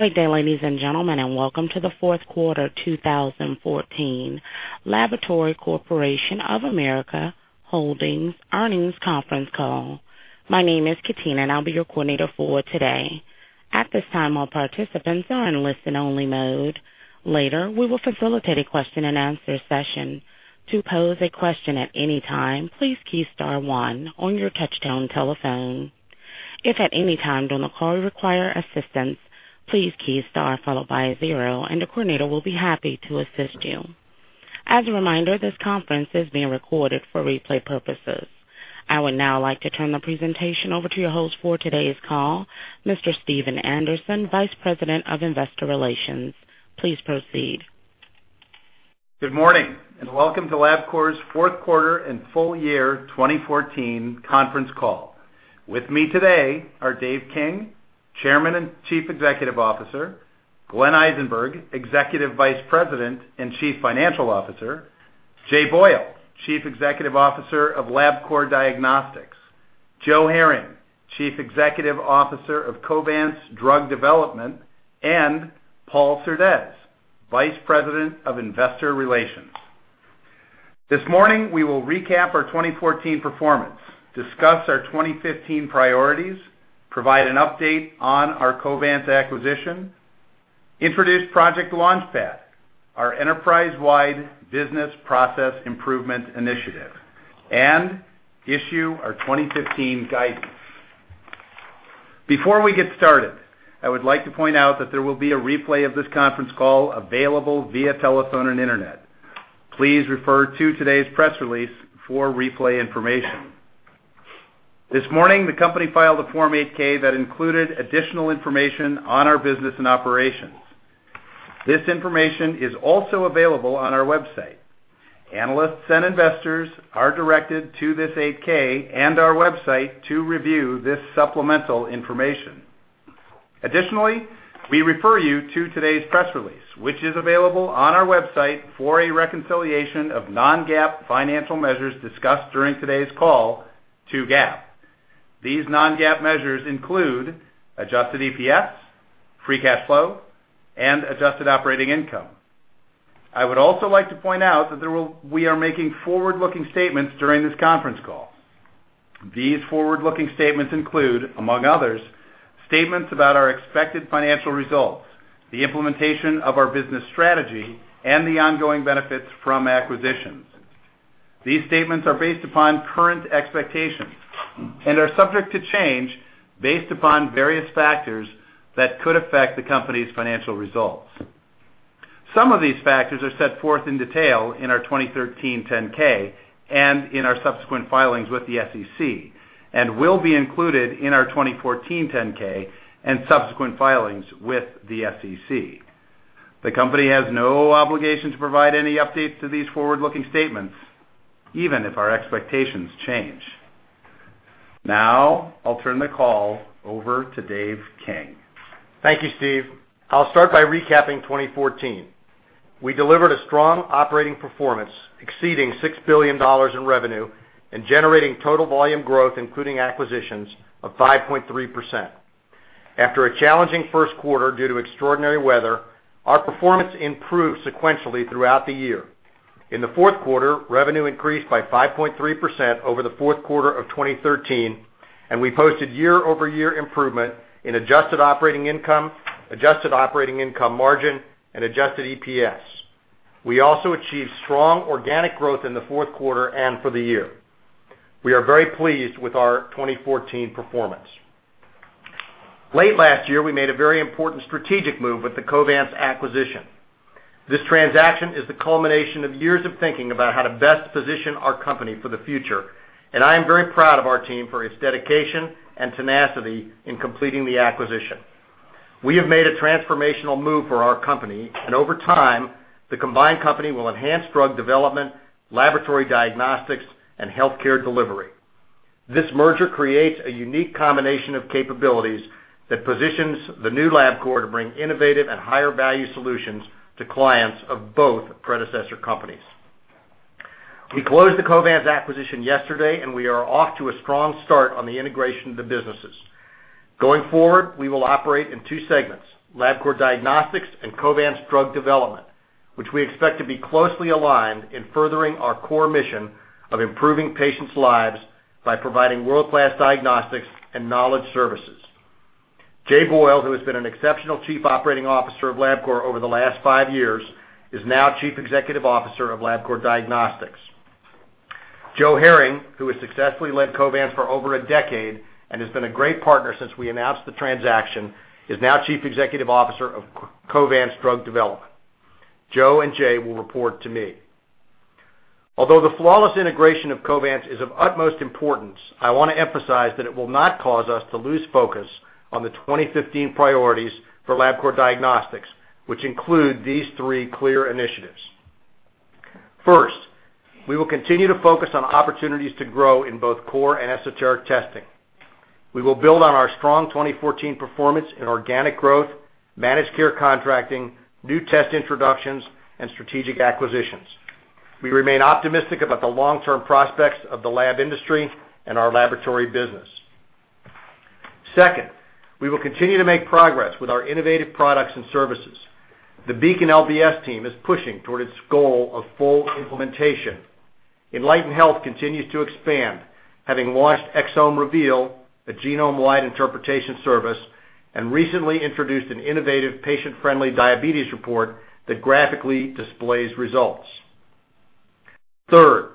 Good day, ladies and gentlemen, and welcome to the fourth quarter 2014 Laboratory Corporation of America Holdings' earnings conference call. My name is Katina, and I'll be your coordinator for today. At this time, all participants are in listen-only mode. Later, we will facilitate a question-and-answer session. To pose a question at any time, please key star one on your touch-tone telephone. If at any time during the call you require assistance, please key star followed by a zero, and the coordinator will be happy to assist you. As a reminder, this conference is being recorded for replay purposes. I would now like to turn the presentation over to your host for today's call, Mr. Stephen Anderson, Vice President of Investor Relations. Please proceed. Good morning, and welcome to LabCorp's fourth quarter and full year 2014 conference call. With me today are Dave King, Chairman and Chief Executive Officer; Glenn Eisenberg, Executive Vice President and Chief Financial Officer; Jay Boyle, Chief Executive Officer of LabCorp Diagnostics; Joe Herring, Chief Executive Officer of Covance Drug Development; and Paul Surdez, Vice President of Investor Relations. This morning, we will recap our 2014 performance, discuss our 2015 priorities, provide an update on our Covance acquisition, introduce Project LaunchPad, our enterprise-wide business process improvement initiative, and issue our 2015 guidance. Before we get started, I would like to point out that there will be a replay of this conference call available via telephone and internet. Please refer to today's press release for replay information. This morning, the company filed a Form 8-K that included additional information on our business and operations. This information is also available on our website. Analysts and investors are directed to this 8-K and our website to review this supplemental information. Additionally, we refer you to today's press release, which is available on our website for a reconciliation of non-GAAP financial measures discussed during today's call to GAAP. These non-GAAP measures include adjusted EPS, free cash flow, and adjusted operating income. I would also like to point out that we are making forward-looking statements during this conference call. These forward-looking statements include, among others, statements about our expected financial results, the implementation of our business strategy, and the ongoing benefits from acquisitions. These statements are based upon current expectations and are subject to change based upon various factors that could affect the company's financial results. Some of these factors are set forth in detail in our 2013 10-K and in our subsequent filings with the SEC, and will be included in our 2014 10-K and subsequent filings with the SEC. The company has no obligation to provide any updates to these forward-looking statements, even if our expectations change. Now, I'll turn the call over to Dave King. Thank you, Steve. I'll start by recapping 2014. We delivered a strong operating performance, exceeding $6 billion in revenue and generating total volume growth, including acquisitions, of 5.3%. After a challenging first quarter due to extraordinary weather, our performance improved sequentially throughout the year. In the fourth quarter, revenue increased by 5.3% over the fourth quarter of 2013, and we posted year-over-year improvement in adjusted operating income, adjusted operating income margin, and adjusted EPS. We also achieved strong organic growth in the fourth quarter and for the year. We are very pleased with our 2014 performance. Late last year, we made a very important strategic move with the Covance acquisition. This transaction is the culmination of years of thinking about how to best position our company for the future, and I am very proud of our team for its dedication and tenacity in completing the acquisition. We have made a transformational move for our company, and over time, the combined company will enhance drug development, laboratory diagnostics, and healthcare delivery. This merger creates a unique combination of capabilities that positions the new LabCorp to bring innovative and higher-value solutions to clients of both predecessor companies. We closed the Covance acquisition yesterday, and we are off to a strong start on the integration of the businesses. Going forward, we will operate in two segments: LabCorp Diagnostics and Covance Drug Development, which we expect to be closely aligned in furthering our core mission of improving patients' lives by providing world-class diagnostics and knowledge services. Jay Boyle, who has been an exceptional Chief Operating Officer of LabCorp over the last five years, is now Chief Executive Officer of LabCorp Diagnostics. Joe Herring, who has successfully led Covance for over a decade and has been a great partner since we announced the transaction, is now Chief Executive Officer of Covance Drug Development. Joe and Jay will report to me. Although the flawless integration of Covance is of utmost importance, I want to emphasize that it will not cause us to lose focus on the 2015 priorities for LabCorp Diagnostics, which include these three clear initiatives. First, we will continue to focus on opportunities to grow in both core and esoteric testing. We will build on our strong 2014 performance in organic growth, managed care contracting, new test introductions, and strategic acquisitions. We remain optimistic about the long-term prospects of the lab industry and our laboratory business. Second, we will continue to make progress with our innovative products and services. The Beacon LBS team is pushing toward its goal of full implementation. Enlighten Health continues to expand, having launched ExomeReveal, a genome-wide interpretation service, and recently introduced an innovative patient-friendly diabetes report that graphically displays results. Third,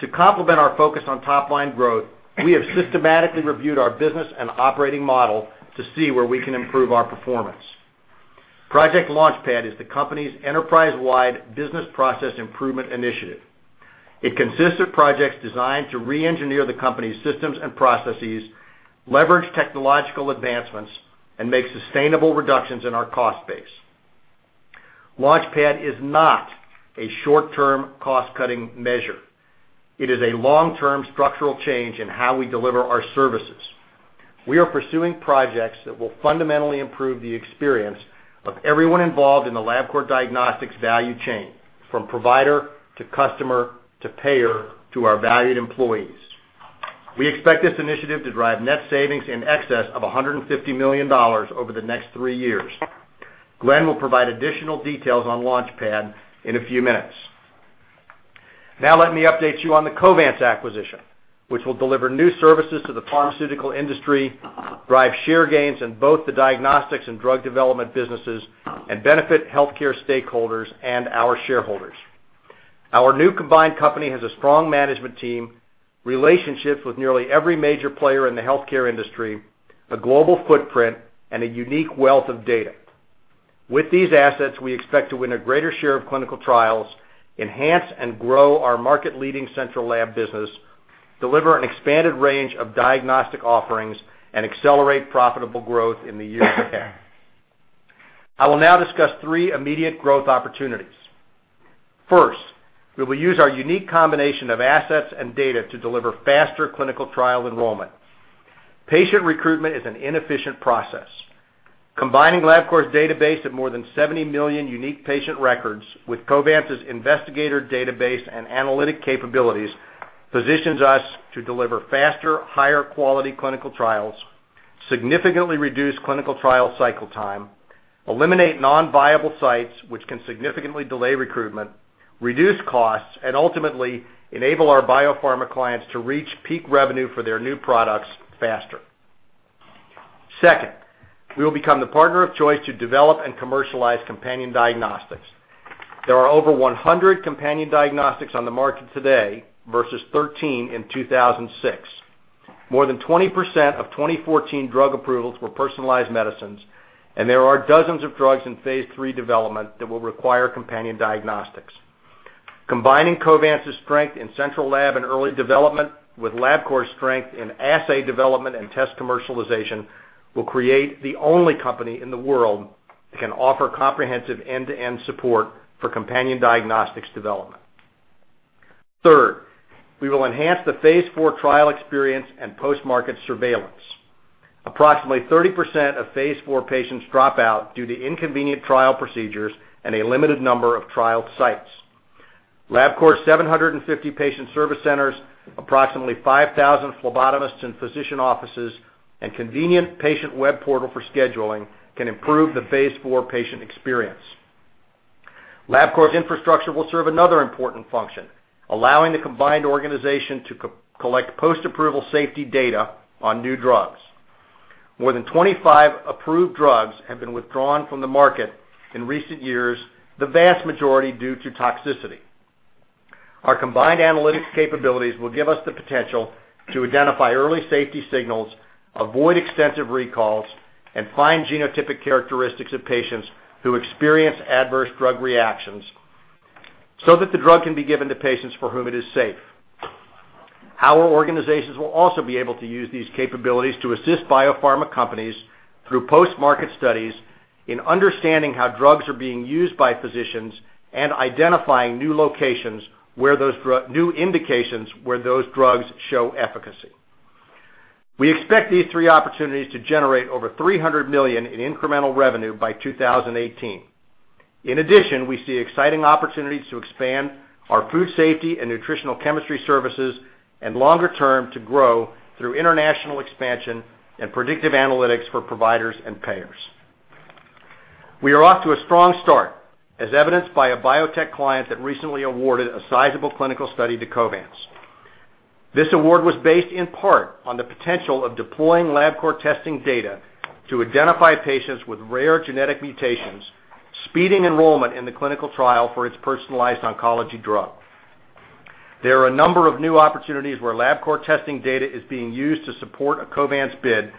to complement our focus on top-line growth, we have systematically reviewed our business and operating model to see where we can improve our performance. Project LaunchPad is the company's enterprise-wide business process improvement initiative. It consists of projects designed to re-engineer the company's systems and processes, leverage technological advancements, and make sustainable reductions in our cost base. LaunchPad is not a short-term cost-cutting measure. It is a long-term structural change in how we deliver our services. We are pursuing projects that will fundamentally improve the experience of everyone involved in the LabCorp Diagnostics value chain, from provider to customer to payer to our valued employees. We expect this initiative to drive net savings in excess of $150 million over the next three years. Glenn will provide additional details on LaunchPad in a few minutes. Now, let me update you on the Covance acquisition, which will deliver new services to the pharmaceutical industry, drive share gains in both the diagnostics and drug development businesses, and benefit healthcare stakeholders and our shareholders. Our new combined company has a strong management team, relationships with nearly every major player in the healthcare industry, a global footprint, and a unique wealth of data. With these assets, we expect to win a greater share of clinical trials, enhance and grow our market-leading central lab business, deliver an expanded range of diagnostic offerings, and accelerate profitable growth in the years ahead. I will now discuss three immediate growth opportunities. First, we will use our unique combination of assets and data to deliver faster clinical trial enrollment. Patient recruitment is an inefficient process. Combining LabCorp's database of more than 70 million unique patient records with Covance's investigator database and analytic capabilities positions us to deliver faster, higher-quality clinical trials, significantly reduce clinical trial cycle time, eliminate non-viable sites, which can significantly delay recruitment, reduce costs, and ultimately enable our biopharma clients to reach peak revenue for their new products faster. Second, we will become the partner of choice to develop and commercialize companion diagnostics. There are over 100 companion diagnostics on the market today versus 13 in 2006. More than 20% of 2014 drug approvals were personalized medicines, and there are dozens of drugs in phase III development that will require companion diagnostics. Combining Covance's strength in central lab and early development with LabCorp's strength in assay development and test commercialization will create the only company in the world that can offer comprehensive end-to-end support for companion diagnostics development. Third, we will enhance the phase IV trial experience and post-market surveillance. Approximately 30% of phase IV patients drop out due to inconvenient trial procedures and a limited number of trial sites. LabCorp's 750 patient service centers, approximately 5,000 phlebotomists and physician offices, and convenient patient web portal for scheduling can improve the phase IV patient experience. LabCorp's infrastructure will serve another important function, allowing the combined organization to collect post-approval safety data on new drugs. More than 25 approved drugs have been withdrawn from the market in recent years, the vast majority due to toxicity. Our combined analytics capabilities will give us the potential to identify early safety signals, avoid extensive recalls, and find genotypic characteristics of patients who experience adverse drug reactions so that the drug can be given to patients for whom it is safe. Our organizations will also be able to use these capabilities to assist biopharma companies through post-market studies in understanding how drugs are being used by physicians and identifying new indications where those drugs show efficacy. We expect these three opportunities to generate over $300 million in incremental revenue by 2018. In addition, we see exciting opportunities to expand our food safety and nutritional chemistry services and, longer term, to grow through international expansion and predictive analytics for providers and payers. We are off to a strong start, as evidenced by a biotech client that recently awarded a sizable clinical study to Covance. This award was based in part on the potential of deploying LabCorp testing data to identify patients with rare genetic mutations, speeding enrollment in the clinical trial for its personalized oncology drug. There are a number of new opportunities where LabCorp testing data is being used to support a Covance bid,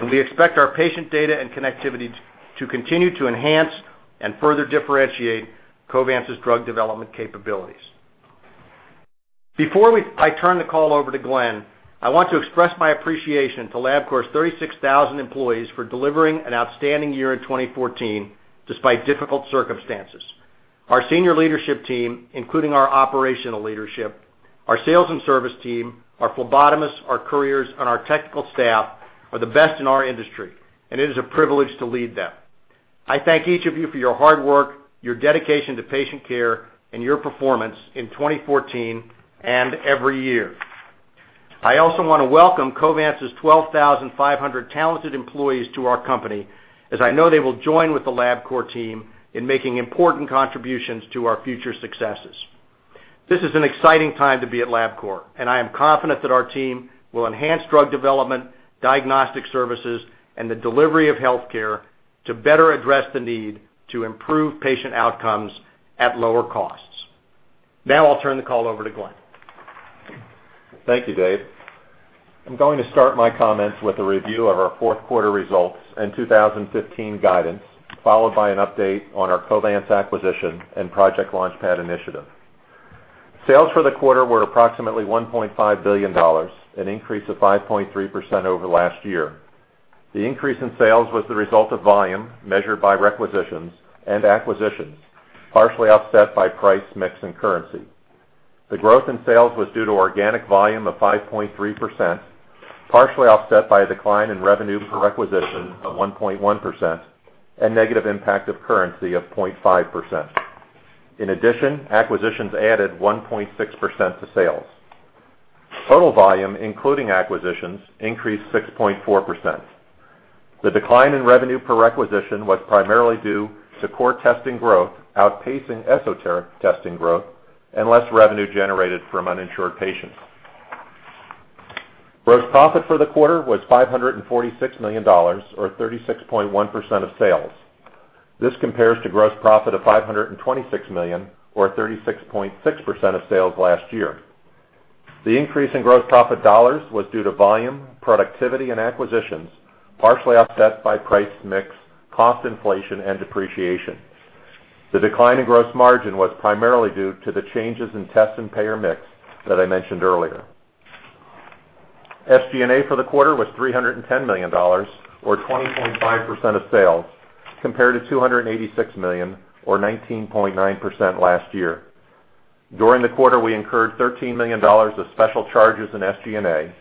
and we expect our patient data and connectivity to continue to enhance and further differentiate Covance's drug development capabilities. Before I turn the call over to Glenn, I want to express my appreciation to LabCorp's 36,000 employees for delivering an outstanding year in 2014 despite difficult circumstances. Our senior leadership team, including our operational leadership, our sales and service team, our phlebotomists, our couriers, and our technical staff are the best in our industry, and it is a privilege to lead them. I thank each of you for your hard work, your dedication to patient care, and your performance in 2014 and every year. I also want to welcome Covance's 12,500 talented employees to our company, as I know they will join with the LabCorp team in making important contributions to our future successes. This is an exciting time to be at LabCorp, and I am confident that our team will enhance drug development, diagnostic services, and the delivery of healthcare to better address the need to improve patient outcomes at lower costs. Now, I'll turn the call over to Glenn. Thank you, Dave. I'm going to start my comments with a review of our fourth quarter results and 2015 guidance, followed by an update on our Covance acquisition and Project LaunchPad initiative. Sales for the quarter were approximately $1.5 billion, an increase of 5.3% over last year. The increase in sales was the result of volume measured by requisitions and acquisitions, partially offset by price, mix, and currency. The growth in sales was due to organic volume of 5.3%, partially offset by a decline in revenue per requisition of 1.1% and negative impact of currency of 0.5%. In addition, acquisitions added 1.6% to sales. Total volume, including acquisitions, increased 6.4%. The decline in revenue per requisition was primarily due to core testing growth outpacing esoteric testing growth and less revenue generated from uninsured patients. Gross profit for the quarter was $546 million, or 36.1% of sales. This compares to gross profit of $526 million, or 36.6% of sales last year. The increase in gross profit dollars was due to volume, productivity, and acquisitions, partially offset by price, mix, cost inflation, and depreciation. The decline in gross margin was primarily due to the changes in test and payer mix that I mentioned earlier. SG&A for the quarter was $310 million, or 20.5% of sales, compared to $286 million, or 19.9% last year. During the quarter, we incurred $13 million of special charges in SG&A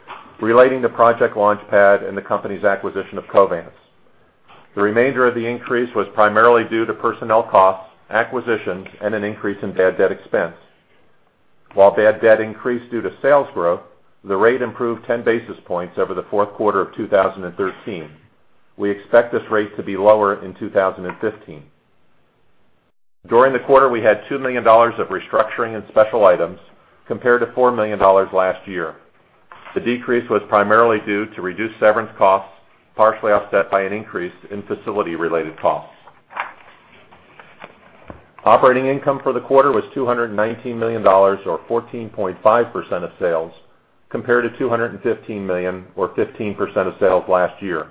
relating to Project LaunchPad and the company's acquisition of Covance. The remainder of the increase was primarily due to personnel costs, acquisitions, and an increase in bad debt expense. While bad debt increased due to sales growth, the rate improved 10 basis points over the fourth quarter of 2013. We expect this rate to be lower in 2015. During the quarter, we had $2 million of restructuring and special items compared to $4 million last year. The decrease was primarily due to reduced severance costs, partially offset by an increase in facility-related costs. Operating income for the quarter was $219 million, or 14.5% of sales, compared to $215 million, or 15% of sales last year.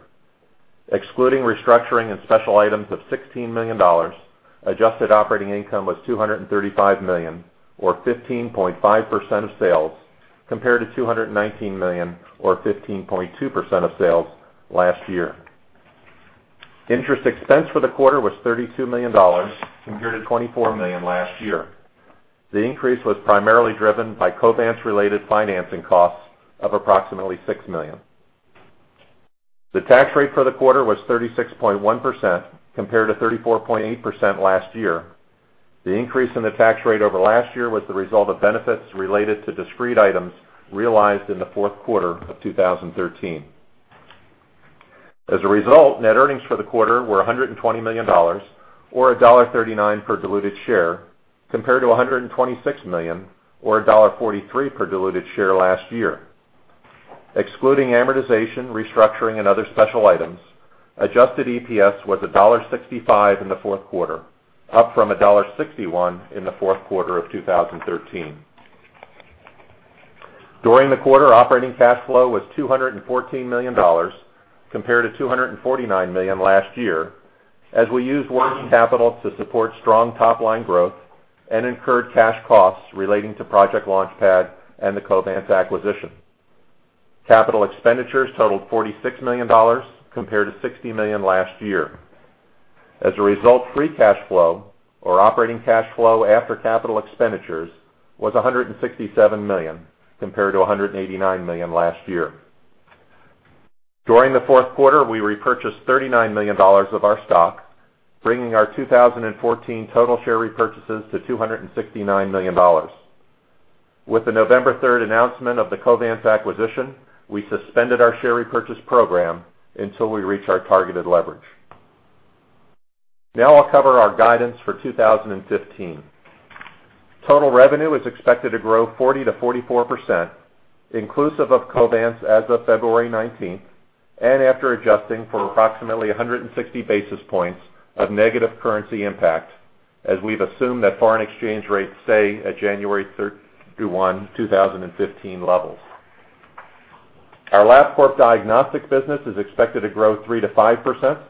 Excluding restructuring and special items of $16 million, adjusted operating income was $235 million, or 15.5% of sales, compared to $219 million, or 15.2% of sales last year. Interest expense for the quarter was $32 million, compared to $24 million last year. The increase was primarily driven by Covance-related financing costs of approximately $6 million. The tax rate for the quarter was 36.1% compared to 34.8% last year. The increase in the tax rate over last year was the result of benefits related to discrete items realized in the fourth quarter of 2013. As a result, net earnings for the quarter were $120 million, or $1.39 per diluted share, compared to $126 million, or $1.43 per diluted share last year. Excluding amortization, restructuring, and other special items, adjusted EPS was $1.65 in the fourth quarter, up from $1.61 in the fourth quarter of 2013. During the quarter, operating cash flow was $214 million, compared to $249 million last year, as we used working capital to support strong top-line growth and incurred cash costs relating to Project LaunchPad and the Covance acquisition. Capital expenditures totaled $46 million, compared to $60 million last year. As a result, free cash flow, or operating cash flow after capital expenditures, was $167 million, compared to $189 million last year. During the fourth quarter, we repurchased $39 million of our stock, bringing our 2014 total share repurchases to $269 million. With the November 3rd announcement of the Covance acquisition, we suspended our share repurchase program until we reach our targeted leverage. Now, I'll cover our guidance for 2015. Total revenue is expected to grow 40%-44%, inclusive of Covance as of February 19th and after adjusting for approximately 160 basis points of negative currency impact, as we've assumed that foreign exchange rates stay at January 31, 2015 levels. Our LabCorp Diagnostics business is expected to grow 3%-5%.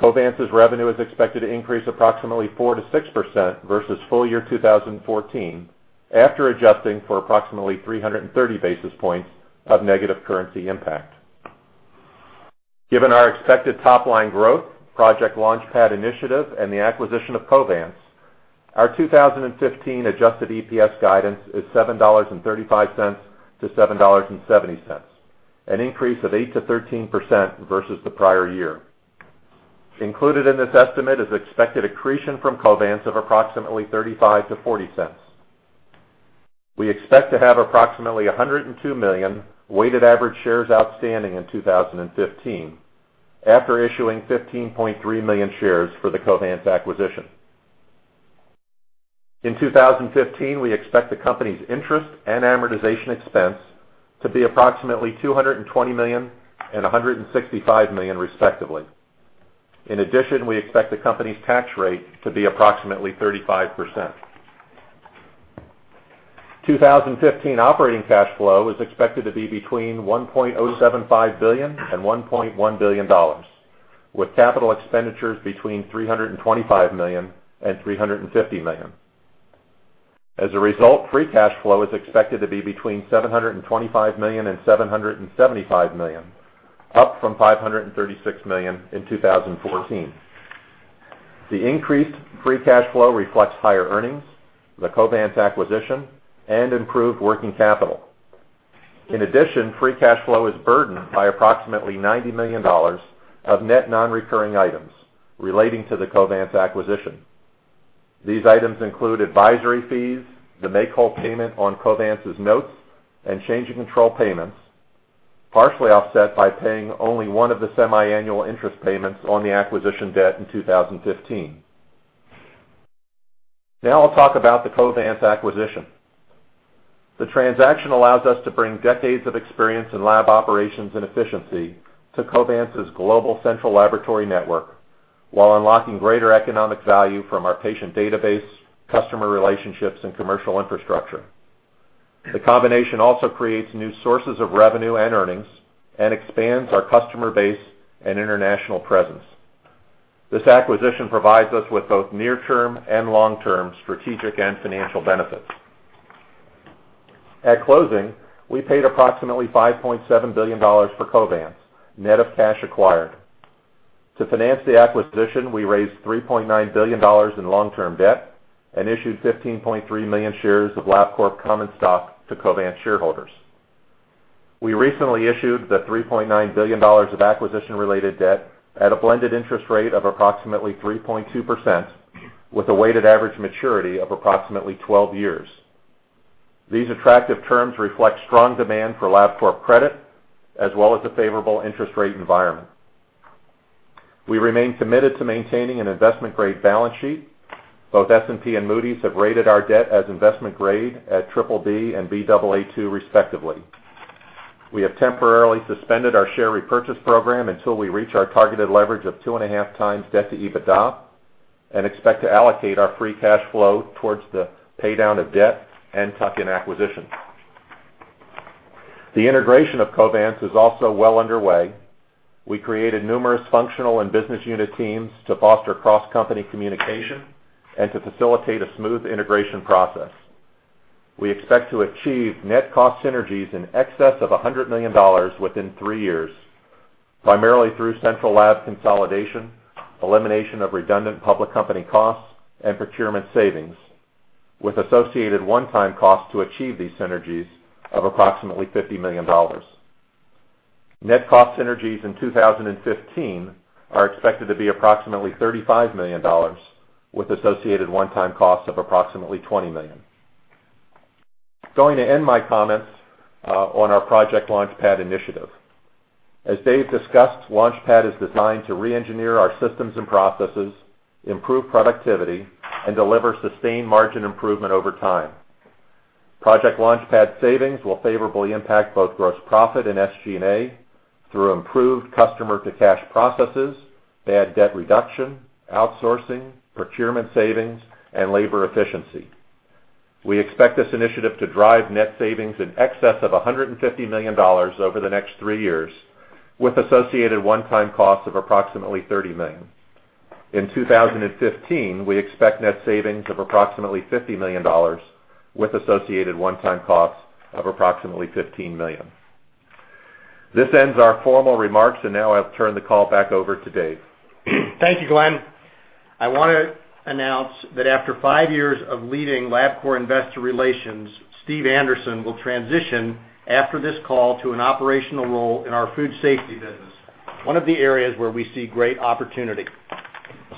Covance revenue is expected to increase approximately 4%-6% versus full year 2014, after adjusting for approximately 330 basis points of negative currency impact. Given our expected top-line growth, Project LaunchPad initiative, and the acquisition of Covance, our 2015 adjusted EPS guidance is $7.35-$7.70, an increase of 8%-13% versus the prior year. Included in this estimate is expected accretion from Covance of approximately $0.35-$0.40. We expect to have approximately 102 million weighted average shares outstanding in 2015, after issuing 15.3 million shares for the Covance acquisition. In 2015, we expect the company's interest and amortization expense to be approximately $220 million and $165 million, respectively. In addition, we expect the company's tax rate to be approximately 35%. 2015 operating cash flow is expected to be between $1.075 billion and $1.1 billion, with capital expenditures between $325 million and $350 million. As a result, free cash flow is expected to be between $725 million and $775 million, up from $536 million in 2014. The increased free cash flow reflects higher earnings, the Covance acquisition, and improved working capital. In addition, free cash flow is burdened by approximately $90 million of net non-recurring items relating to the Covance acquisition. These items include advisory fees, the make-whole payment on Covance notes, and change in control payments, partially offset by paying only one of the semi-annual interest payments on the acquisition debt in 2015. Now, I'll talk about the Covance acquisition. The transaction allows us to bring decades of experience in lab operations and efficiency to Covance's global central laboratory network while unlocking greater economic value from our patient database, customer relationships, and commercial infrastructure. The combination also creates new sources of revenue and earnings and expands our customer base and international presence. This acquisition provides us with both near-term and long-term strategic and financial benefits. At closing, we paid approximately $5.7 billion for Covance, net of cash acquired. To finance the acquisition, we raised $3.9 billion in long-term debt and issued 15.3 million shares of LabCorp common stock to Covance shareholders. We recently issued the $3.9 billion of acquisition-related debt at a blended interest rate of approximately 3.2%, with a weighted average maturity of approximately 12 years. These attractive terms reflect strong demand for LabCorp credit as well as a favorable interest rate environment. We remain committed to maintaining an investment-grade balance sheet. Both S&P and Moody's have rated our debt as investment-grade at BBB and BAA2, respectively. We have temporarily suspended our share repurchase program until we reach our targeted leverage of two and a half times debt to EBITDA and expect to allocate our free cash flow towards the paydown of debt and tuck-in acquisition. The integration of Covance is also well underway. We created numerous functional and business unit teams to foster cross-company communication and to facilitate a smooth integration process. We expect to achieve net cost synergies in excess of $100 million within three years, primarily through central lab consolidation, elimination of redundant public company costs, and procurement savings, with associated one-time costs to achieve these synergies of approximately $50 million. Net cost synergies in 2015 are expected to be approximately $35 million, with associated one-time costs of approximately $20 million. Going to end my comments on our Project LaunchPad initiative. As Dave discussed, LaunchPad is designed to re-engineer our systems and processes, improve productivity, and deliver sustained margin improvement over time. Project LaunchPad savings will favorably impact both gross profit and SG&A through improved customer-to-cash processes, bad debt reduction, outsourcing, procurement savings, and labor efficiency. We expect this initiative to drive net savings in excess of $150 million over the next three years, with associated one-time costs of approximately $30 million. In 2015, we expect net savings of approximately $50 million, with associated one-time costs of approximately $15 million. This ends our formal remarks, and now I'll turn the call back over to Dave. Thank you, Glenn. I want to announce that after five years of leading LabCorp investor relations, Steve Anderson will transition after this call to an operational role in our food safety business, one of the areas where we see great opportunity.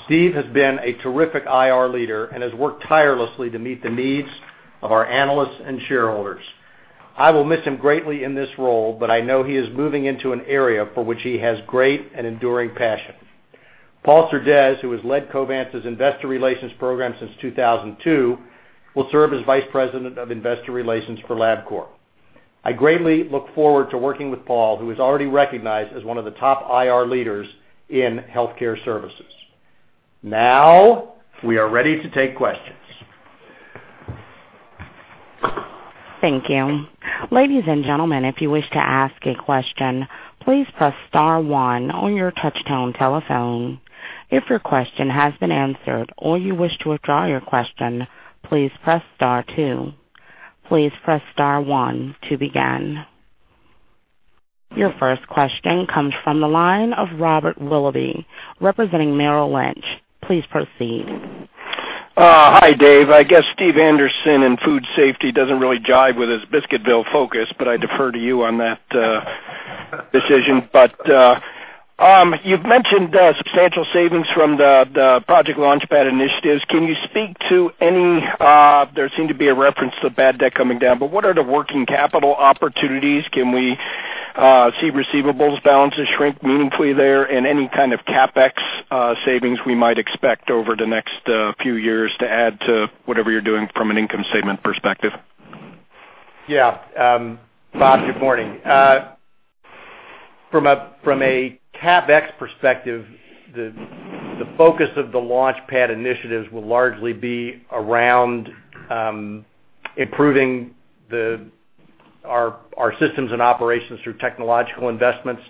Steve has been a terrific IR leader and has worked tirelessly to meet the needs of our analysts and shareholders. I will miss him greatly in this role, but I know he is moving into an area for which he has great and enduring passion. Paul Surdez, who has led Covance's investor relations program since 2002, will serve as Vice President of Investor Relations for LabCorp. I greatly look forward to working with Paul, who is already recognized as one of the top IR leaders in healthcare services. Now, we are ready to take questions. Thank you. Ladies and gentlemen, if you wish to ask a question, please press star one on your touch-tone telephone. If your question has been answered or you wish to withdraw your question, please press star two. Please press star one to begin. Your first question comes from the line of Robert Willoughby, representing Merrill Lynch. Please proceed. Hi, Dave. I guess Steve Anderson in food safety does not really jive with his Biscuitville focus, but I defer to you on that decision. You have mentioned substantial savings from the Project LaunchPad initiatives. Can you speak to any—there seemed to be a reference to bad debt coming down—what are the working capital opportunities? Can we see receivables balances shrink meaningfully there? Any kind of CapEx savings we might expect over the next few years to add to whatever you are doing from an income statement perspective? Yeah. Bob, good morning. From a CapEx perspective, the focus of the LaunchPad initiatives will largely be around improving our systems and operations through technological investments.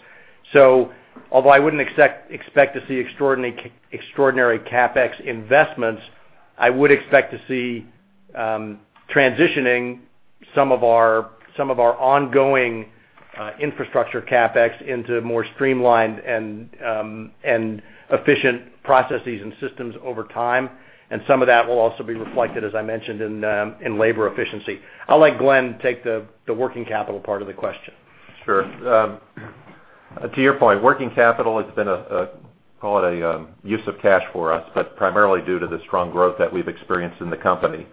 Although I would not expect to see extraordinary CapEx investments, I would expect to see transitioning some of our ongoing infrastructure CapEx into more streamlined and efficient processes and systems over time. Some of that will also be reflected, as I mentioned, in labor efficiency. I'll let Glenn take the working capital part of the question. Sure. To your point, working capital has been a, call it, a use of cash for us, but primarily due to the strong growth that we've experienced in the company.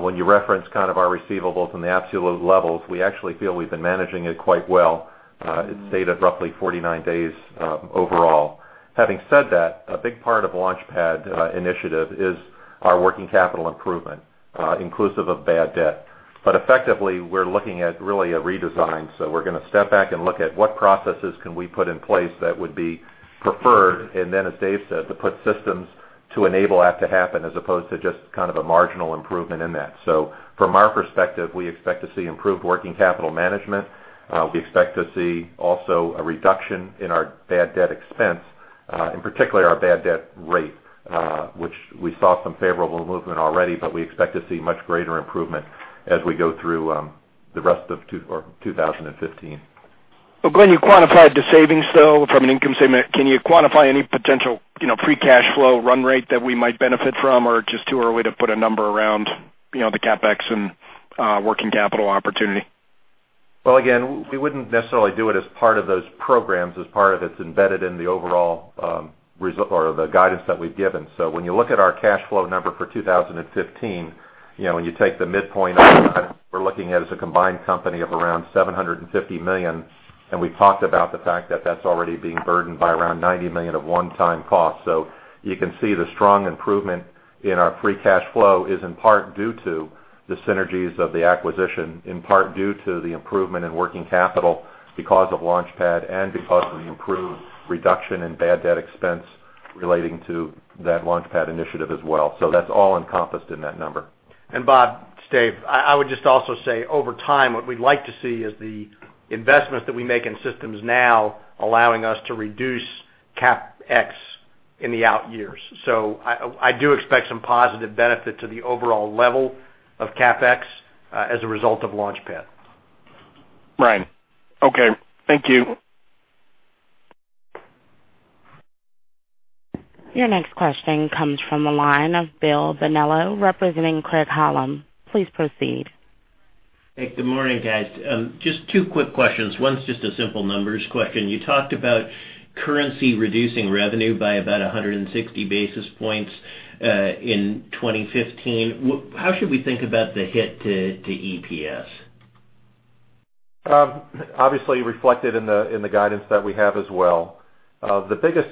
When you reference kind of our receivables and the absolute levels, we actually feel we've been managing it quite well. It's stated roughly 49 days overall. Having said that, a big part of the LaunchPad initiative is our working capital improvement, inclusive of bad debt. Effectively, we're looking at really a redesign. We are going to step back and look at what processes can we put in place that would be preferred. Then, as Dave said, to put systems to enable that to happen as opposed to just kind of a marginal improvement in that. From our perspective, we expect to see improved working capital management. We expect to see also a reduction in our bad debt expense, in particular our bad debt rate, which we saw some favorable movement already, but we expect to see much greater improvement as we go through the rest of 2015. Glenn, you quantified the savings though from an income statement. Can you quantify any potential free cash flow run rate that we might benefit from, or just too early to put a number around the CapEx and working capital opportunity? Again, we would not necessarily do it as part of those programs, as part of it is embedded in the overall result or the guidance that we have given. When you look at our cash flow number for 2015, when you take the midpoint, we are looking at as a combined company of around $750 million. We have talked about the fact that that is already being burdened by around $90 million of one-time costs. You can see the strong improvement in our free cash flow is in part due to the synergies of the acquisition, in part due to the improvement in working capital because of LaunchPad and because of the improved reduction in bad debt expense relating to that LaunchPad initiative as well. That is all encompassed in that number. Bob, Dave, I would just also say over time, what we'd like to see is the investments that we make in systems now allowing us to reduce CapEx in the out years. I do expect some positive benefit to the overall level of CapEx as a result of LaunchPad. Right. Okay. Thank you. Your next question comes from the line of Bill Bonello, representing Craig-Hallum. Please proceed. Hey, good morning, guys. Just two quick questions. One's just a simple numbers question. You talked about currency reducing revenue by about 160 basis points in 2015. How should we think about the hit to EPS? Obviously reflected in the guidance that we have as well. The biggest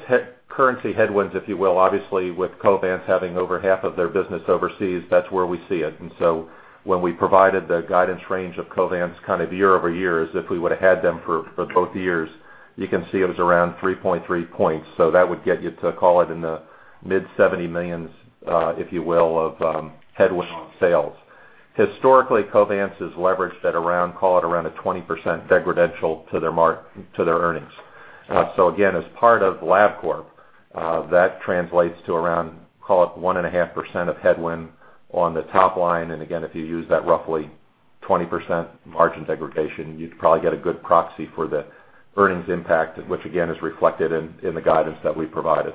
currency headwinds, if you will, obviously with Covance having over half of their business overseas, that's where we see it. When we provided the guidance range of Covance kind of year over year, as if we would have had them for both years, you can see it was around 3.3 points. That would get you to call it in the mid-$70 million, if you will, of headwind sales. Historically, Covance has leveraged at around, call it around a 20% decremental to their earnings. Again, as part of LabCorp, that translates to around, call it 1.5% of headwind on the top line. Again, if you use that roughly 20% margin degradation, you'd probably get a good proxy for the earnings impact, which again is reflected in the guidance that we provided.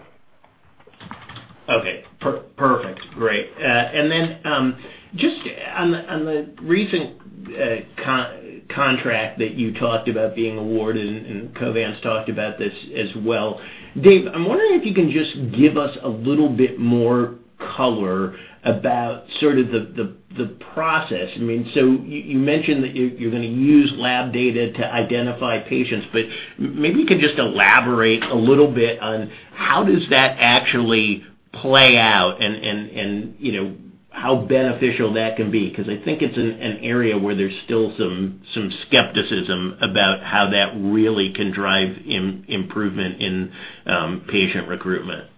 Okay. Perfect. Great. And then just on the recent contract that you talked about being awarded and Covance has talked about this as well. Dave, I'm wondering if you can just give us a little bit more color about sort of the process. I mean, so you mentioned that you're going to use lab data to identify patients, but maybe you could just elaborate a little bit on how does that actually play out and how beneficial that can be? Because I think it's an area where there's still some skepticism about how that really can drive improvement in patient recruitment.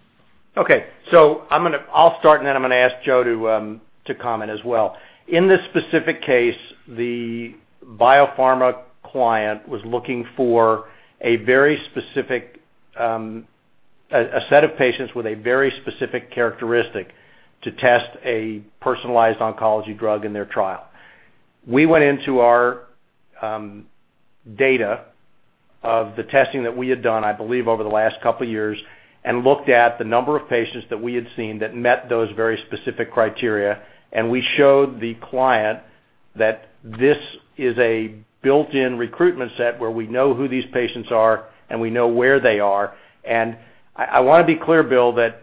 Okay. I'll start, and then I'm going to ask Joe to comment as well. In this specific case, the biopharma client was looking for a very specific set of patients with a very specific characteristic to test a personalized oncology drug in their trial. We went into our data of the testing that we had done, I believe over the last couple of years, and looked at the number of patients that we had seen that met those very specific criteria. We showed the client that this is a built-in recruitment set where we know who these patients are and we know where they are. I want to be clear, Bill, that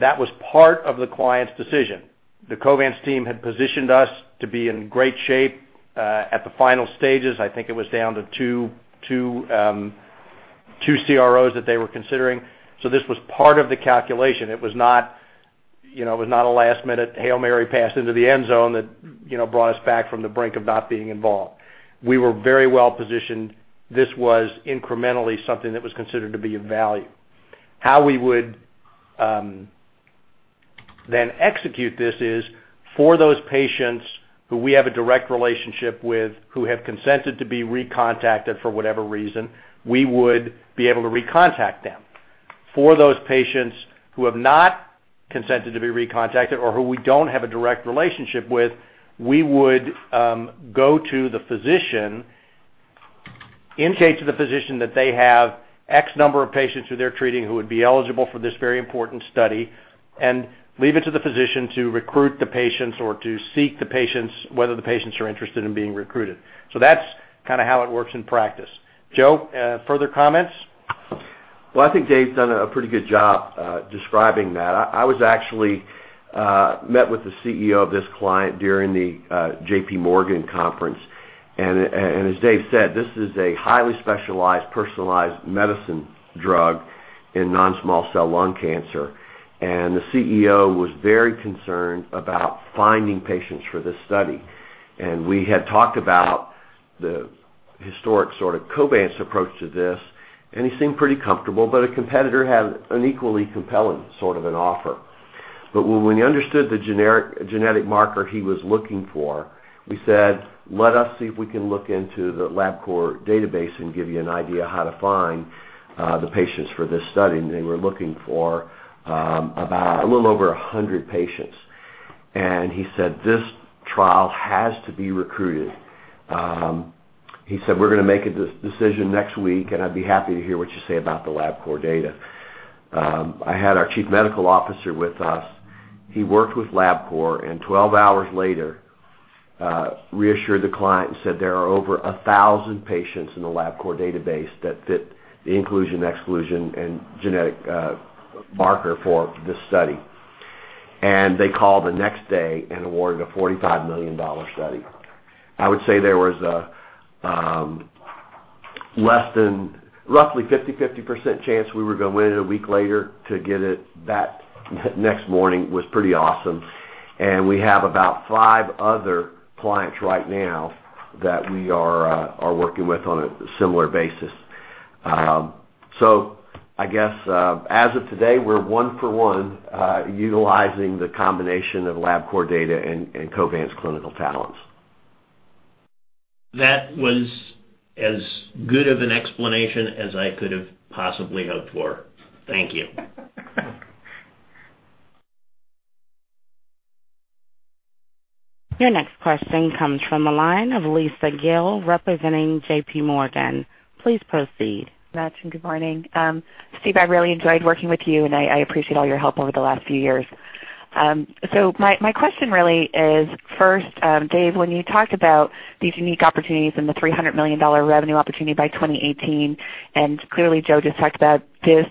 that was part of the client's decision. The Covance team had positioned us to be in great shape at the final stages. I think it was down to two CROs that they were considering. This was part of the calculation. It was not a last-minute Hail Mary passed into the end zone that brought us back from the brink of not being involved. We were very well positioned. This was incrementally something that was considered to be of value. How we would then execute this is for those patients who we have a direct relationship with, who have consented to be recontacted for whatever reason, we would be able to recontact them. For those patients who have not consented to be recontacted or who we do not have a direct relationship with, we would go to the physician, indicate to the physician that they have X number of patients who they are treating who would be eligible for this very important study, and leave it to the physician to recruit the patients or to seek the patients, whether the patients are interested in being recruited. That's kind of how it works in practice. Joe, further comments? I think Dave's done a pretty good job describing that. I was actually met with the CEO of this client during the JPMorgan conference. As Dave said, this is a highly specialized, personalized medicine drug in non-small cell lung cancer. The CEO was very concerned about finding patients for this study. We had talked about the historic sort of Covance approach to this, and he seemed pretty comfortable, but a competitor had an equally compelling sort of an offer. When we understood the genetic marker he was looking for, we said, "Let us see if we can look into the LabCorp database and give you an idea how to find the patients for this study." They were looking for a little over 100 patients. He said, "This trial has to be recruited." He said, "We're going to make a decision next week, and I'd be happy to hear what you say about the LabCorp data." I had our Chief Medical Officer with us. He worked with LabCorp, and 12 hours later, reassured the client and said, "There are over 1,000 patients in the LabCorp database that fit the inclusion, exclusion, and genetic marker for this study." They called the next day and awarded a $45 million study. I would say there was a less than roughly 50% chance we were going to win it a week later to get it that next morning was pretty awesome. We have about five other clients right now that we are working with on a similar basis. I guess as of today, we're one for one utilizing the combination of LabCorp data and Covance's clinical talents. That was as good of an explanation as I could have possibly hoped for. Thank you. Your next question comes from the line of Lisa Gill, representing JPMorgan. Please proceed. Madson, good morning. Steve, I really enjoyed working with you, and I appreciate all your help over the last few years. My question really is, first, Dave, when you talked about these unique opportunities and the $300 million revenue opportunity by 2018, and clearly Joe just talked about this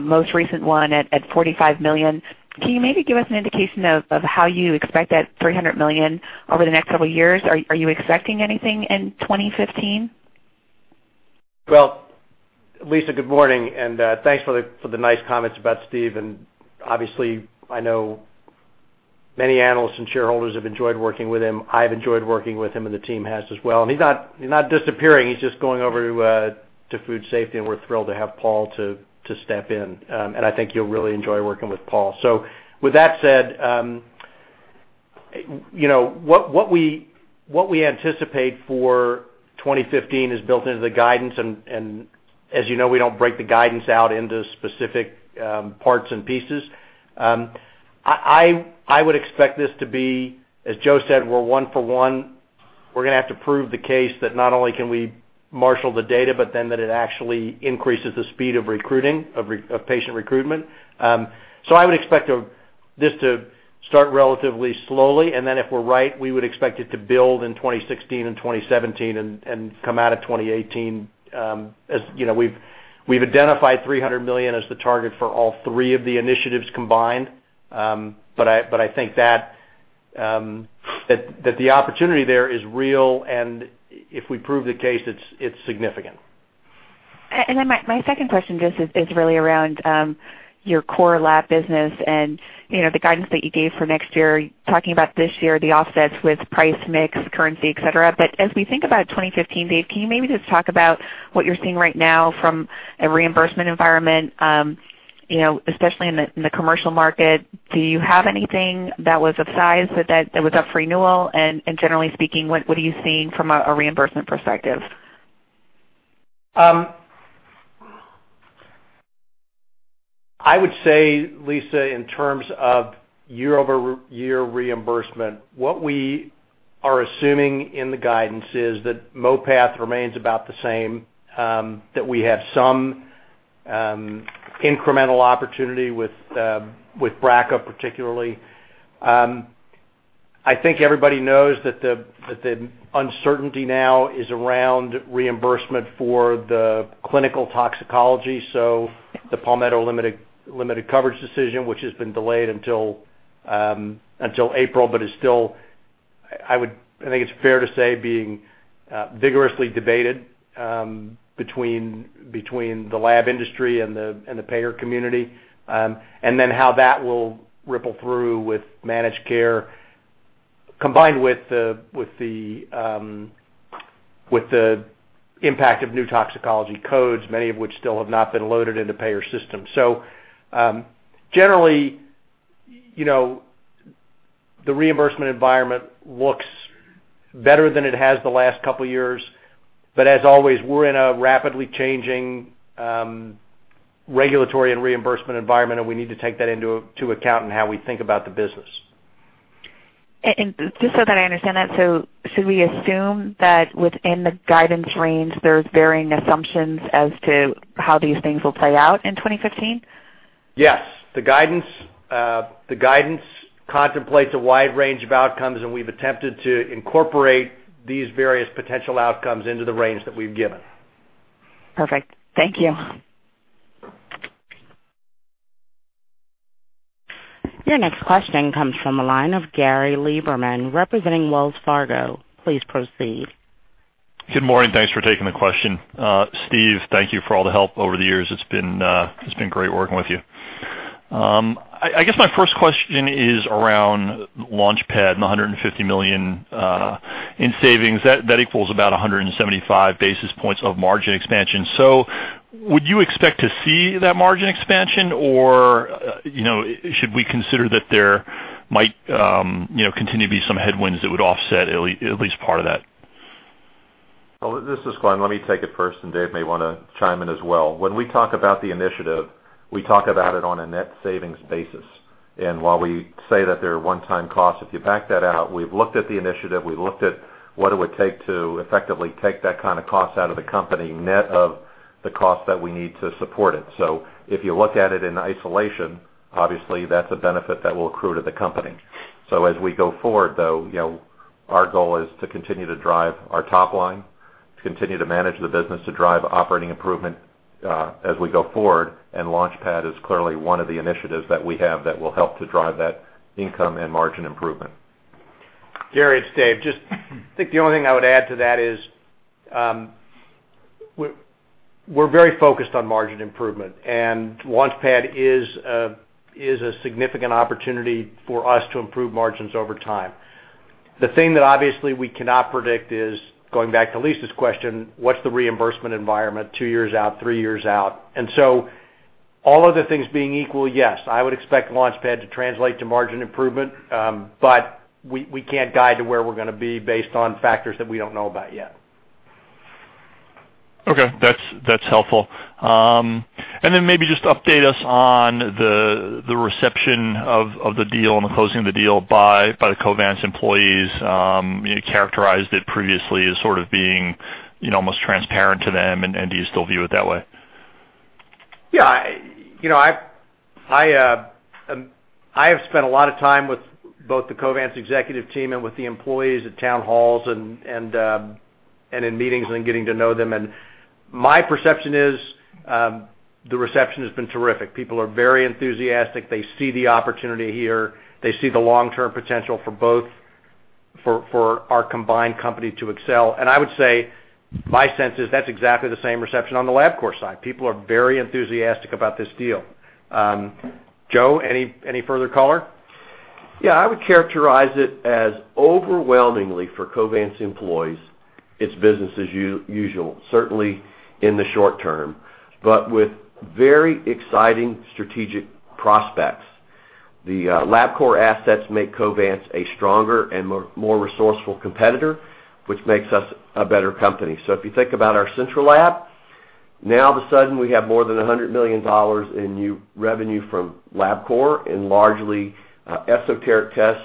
most recent one at $45 million, can you maybe give us an indication of how you expect that $300 million over the next several years? Are you expecting anything in 2015? Lisa, good morning. Thanks for the nice comments about Steve. Obviously, I know many analysts and shareholders have enjoyed working with him. I've enjoyed working with him, and the team has as well. He's not disappearing. He's just going over to food safety, and we're thrilled to have Paul step in. I think you'll really enjoy working with Paul. With that said, what we anticipate for 2015 is built into the guidance. As you know, we don't break the guidance out into specific parts and pieces. I would expect this to be, as Joe said, we're one for one. We're going to have to prove the case that not only can we marshal the data, but then that it actually increases the speed of patient recruitment. I would expect this to start relatively slowly. If we're right, we would expect it to build in 2016 and 2017 and come out of 2018. We've identified $300 million as the target for all three of the initiatives combined. I think that the opportunity there is real. If we prove the case, it's significant. My second question just is really around your core lab business and the guidance that you gave for next year, talking about this year, the offsets with price mix, currency, etc. As we think about 2015, Dave, can you maybe just talk about what you're seeing right now from a reimbursement environment, especially in the commercial market? Do you have anything that was of size that was up for renewal? Generally speaking, what are you seeing from a reimbursement perspective? I would say, Lisa, in terms of year-over-year reimbursement, what we are assuming in the guidance is that MoPath remains about the same, that we have some incremental opportunity with BRCA particularly. I think everybody knows that the uncertainty now is around reimbursement for the clinical toxicology. The Palmetto limited coverage decision, which has been delayed until April, is still, I think it's fair to say, being vigorously debated between the lab industry and the payer community. How that will ripple through with managed care combined with the impact of new toxicology codes, many of which still have not been loaded into payer systems. Generally, the reimbursement environment looks better than it has the last couple of years. As always, we're in a rapidly changing regulatory and reimbursement environment, and we need to take that into account in how we think about the business. Just so that I understand that, should we assume that within the guidance range, there's varying assumptions as to how these things will play out in 2015? Yes. The guidance contemplates a wide range of outcomes, and we've attempted to incorporate these various potential outcomes into the range that we've given. Perfect. Thank you. Your next question comes from the line of Gary Lieberman, representing Wells Fargo. Please proceed. Good morning. Thanks for taking the question. Steve, thank you for all the help over the years. It's been great working with you. I guess my first question is around LaunchPad and $150 million in savings. That equals about 175 basis points of margin expansion. Would you expect to see that margin expansion, or should we consider that there might continue to be some headwinds that would offset at least part of that? This is Glenn. Let me take it first, and Dave may want to chime in as well. When we talk about the initiative, we talk about it on a net savings basis. While we say that they're a one-time cost, if you back that out, we've looked at the initiative. We've looked at what it would take to effectively take that kind of cost out of the company net of the cost that we need to support it. If you look at it in isolation, obviously, that's a benefit that will accrue to the company. As we go forward, though, our goal is to continue to drive our top line, to continue to manage the business, to drive operating improvement as we go forward. LaunchPad is clearly one of the initiatives that we have that will help to drive that income and margin improvement. Gary, it's Dave. Just I think the only thing I would add to that is we're very focused on margin improvement, and LaunchPad is a significant opportunity for us to improve margins over time. The thing that obviously we cannot predict is, going back to Lisa's question, what's the reimbursement environment two years out, three years out? All other things being equal, yes, I would expect LaunchPad to translate to margin improvement, but we can't guide to where we're going to be based on factors that we don't know about yet. Okay. That's helpful. Maybe just update us on the reception of the deal and the closing of the deal by the Covance employees. You characterized it previously as sort of being almost transparent to them, and do you still view it that way? Yeah. I have spent a lot of time with both the Covance executive team and with the employees at town halls and in meetings and getting to know them. My perception is the reception has been terrific. People are very enthusiastic. They see the opportunity here. They see the long-term potential for our combined company to excel. I would say my sense is that's exactly the same reception on the LabCorp side. People are very enthusiastic about this deal. Joe, any further color? Yeah. I would characterize it as overwhelmingly for Covance's employees, it's business as usual, certainly in the short term, but with very exciting strategic prospects. The LabCorp assets make Covance a stronger and more resourceful competitor, which makes us a better company. If you think about our central lab, now all of a sudden, we have more than $100 million in new revenue from LabCorp and largely esoteric tests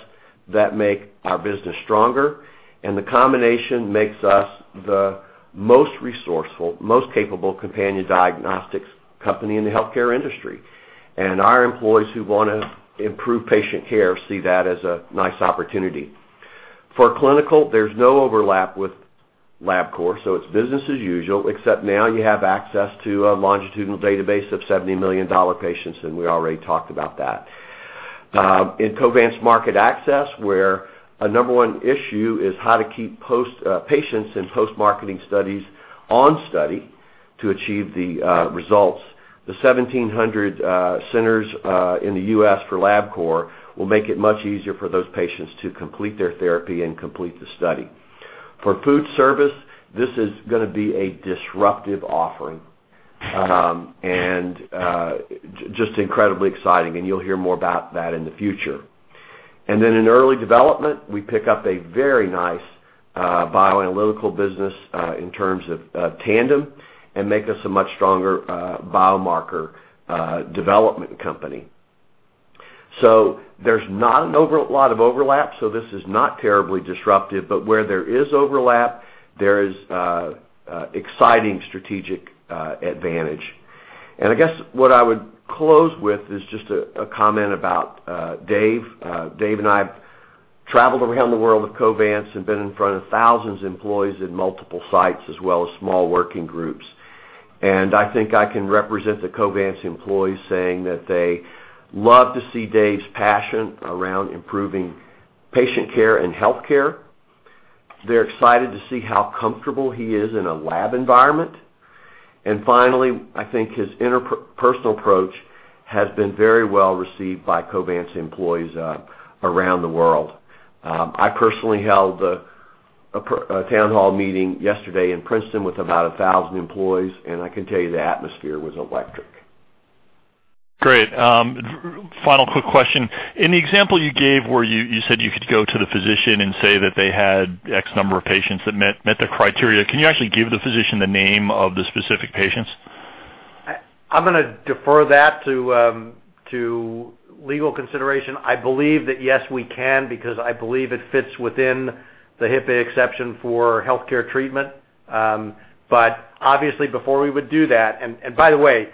that make our business stronger. The combination makes us the most resourceful, most capable companion diagnostics company in the healthcare industry. Our employees who want to improve patient care see that as a nice opportunity. For clinical, there's no overlap with LabCorp, so it's business as usual, except now you have access to a longitudinal database of $70 million patients, and we already talked about that. In Covance's market access, where a number one issue is how to keep patients in post-marketing studies on study to achieve the results, the 1,700 centers in the U.S. for LabCorp will make it much easier for those patients to complete their therapy and complete the study. For food service, this is going to be a disruptive offering and just incredibly exciting, and you'll hear more about that in the future. In early development, we pick up a very nice bioanalytical business in terms of tandem and make us a much stronger biomarker development company. There is not a lot of overlap, so this is not terribly disruptive. Where there is overlap, there is exciting strategic advantage. I guess what I would close with is just a comment about Dave. Dave and I have traveled around the world with Covance and been in front of thousands of employees in multiple sites as well as small working groups. I think I can represent the Covance employees saying that they love to see Dave's passion around improving patient care and healthcare. They're excited to see how comfortable he is in a lab environment. Finally, I think his interpersonal approach has been very well received by Covance employees around the world. I personally held a town hall meeting yesterday in Princeton with about 1,000 employees, and I can tell you the atmosphere was electric. Great. Final quick question. In the example you gave where you said you could go to the physician and say that they had X number of patients that met the criteria, can you actually give the physician the name of the specific patients? I'm going to defer that to legal consideration. I believe that yes, we can because I believe it fits within the HIPAA exception for healthcare treatment. Obviously, before we would do that, and by the way,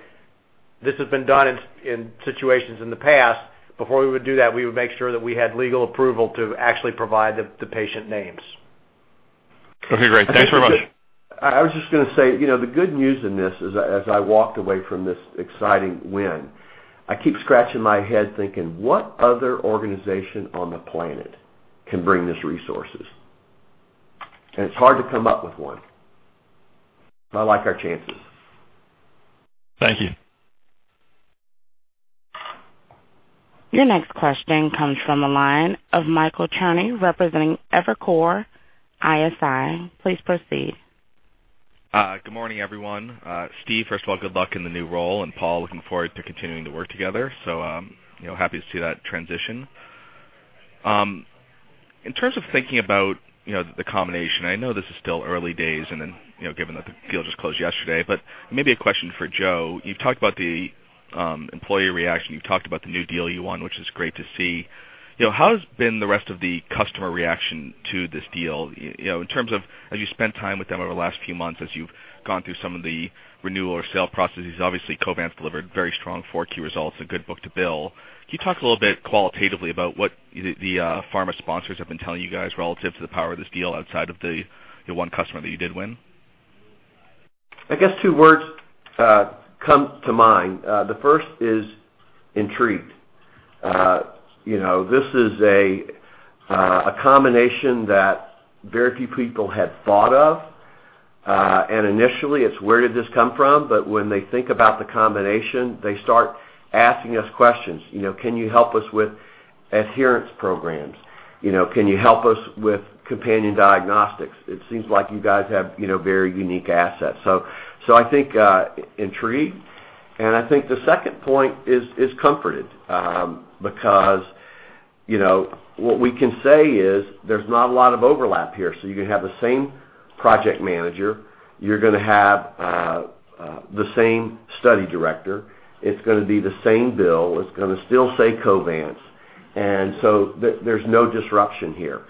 this has been done in situations in the past, before we would do that, we would make sure that we had legal approval to actually provide the patient names. Okay. Great. Thanks very much. I was just going to say the good news in this is as I walked away from this exciting win, I keep scratching my head thinking, "What other organization on the planet can bring these resources?" It is hard to come up with one. I like our chances. Thank you. Your next question comes from the line of Michael Cherny representing Evercore ISI. Please proceed. Good morning, everyone. Steve, first of all, good luck in the new role. And Paul, looking forward to continuing to work together. So happy to see that transition. In terms of thinking about the combination, I know this is still early days given that the deal just closed yesterday. Maybe a question for Joe. You've talked about the employee reaction. You've talked about the new deal you won, which is great to see. How has the rest of the customer reaction to this deal been in terms of as you spent time with them over the last few months, as you've gone through some of the renewal or sale processes? Obviously, Covance delivered very strong fourth quarter results, a good book to bill. Can you talk a little bit qualitatively about what the pharma sponsors have been telling you guys relative to the power of this deal outside of the one customer that you did win? I guess two words come to mind. The first is intrigued. This is a combination that very few people had thought of. Initially, it's, "Where did this come from?" When they think about the combination, they start asking us questions. "Can you help us with adherence programs? Can you help us with companion diagnostics? It seems like you guys have very unique assets." I think intrigued. I think the second point is comforted because what we can say is there's not a lot of overlap here. You're going to have the same project manager. You're going to have the same study director. It's going to be the same bill. It's going to still say Covance. There's no disruption here.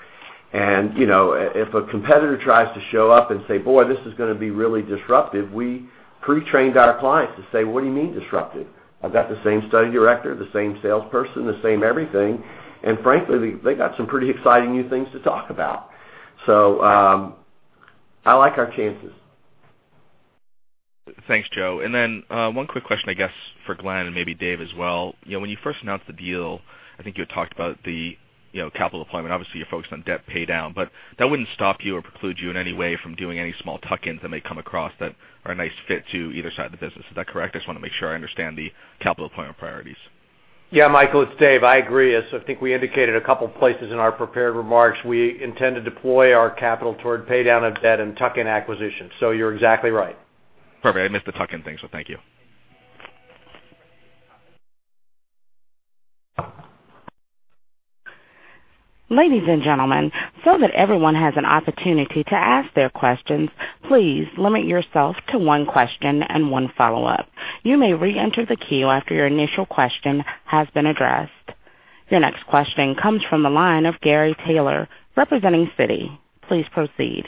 If a competitor tries to show up and say, "Boy, this is going to be really disruptive," we pre-trained our clients to say, "What do you mean disruptive?" I have got the same study director, the same salesperson, the same everything. Frankly, they have some pretty exciting new things to talk about. I like our chances. Thanks, Joe. One quick question, I guess, for Glenn and maybe Dave as well. When you first announced the deal, I think you had talked about the capital deployment. Obviously, you're focused on debt paydown, but that would not stop you or preclude you in any way from doing any small tuck-ins that may come across that are a nice fit to either side of the business. Is that correct? I just want to make sure I understand the capital deployment priorities. Yeah, Michael, it's Dave. I agree. I think we indicated a couple of places in our prepared remarks. We intend to deploy our capital toward paydown of debt and tuck-in acquisition. So you're exactly right. Perfect. I missed the tuck-in thing, so thank you. Ladies and gentlemen, so that everyone has an opportunity to ask their questions, please limit yourself to one question and one follow-up. You may re-enter the queue after your initial question has been addressed. Your next question comes from the line of Gary Taylor representing Citi. Please proceed.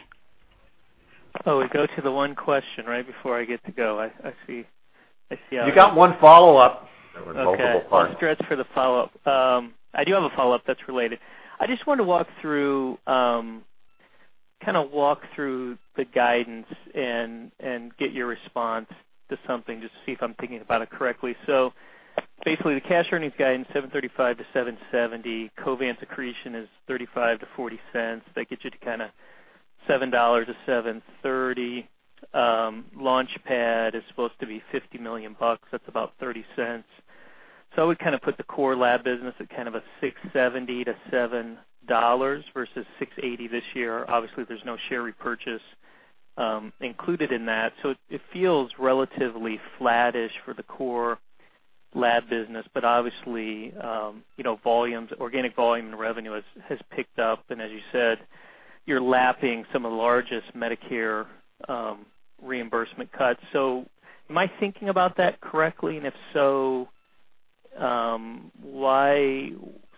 Hello. We go to the one question right before I get to go. I see all of you. You got one follow-up. That was multiple parts. I'm just going to stretch for the follow-up. I do have a follow-up that's related. I just want to walk through, kind of walk through the guidance and get your response to something just to see if I'm thinking about it correctly. Basically, the cash earnings guidance, $7.35-$7.70. Covance's accretion is $0.35-$0.40. That gets you to kind of $7.00-$7.30. LaunchPad is supposed to be $50 million. That's about $0.30. I would kind of put the core lab business at kind of $6.70-$7.00 versus $6.80 this year. Obviously, there's no share repurchase included in that. It feels relatively flattish for the core lab business, but obviously, organic volume and revenue has picked up. As you said, you're lapping some of the largest Medicare reimbursement cuts. Am I thinking about that correctly? If so, why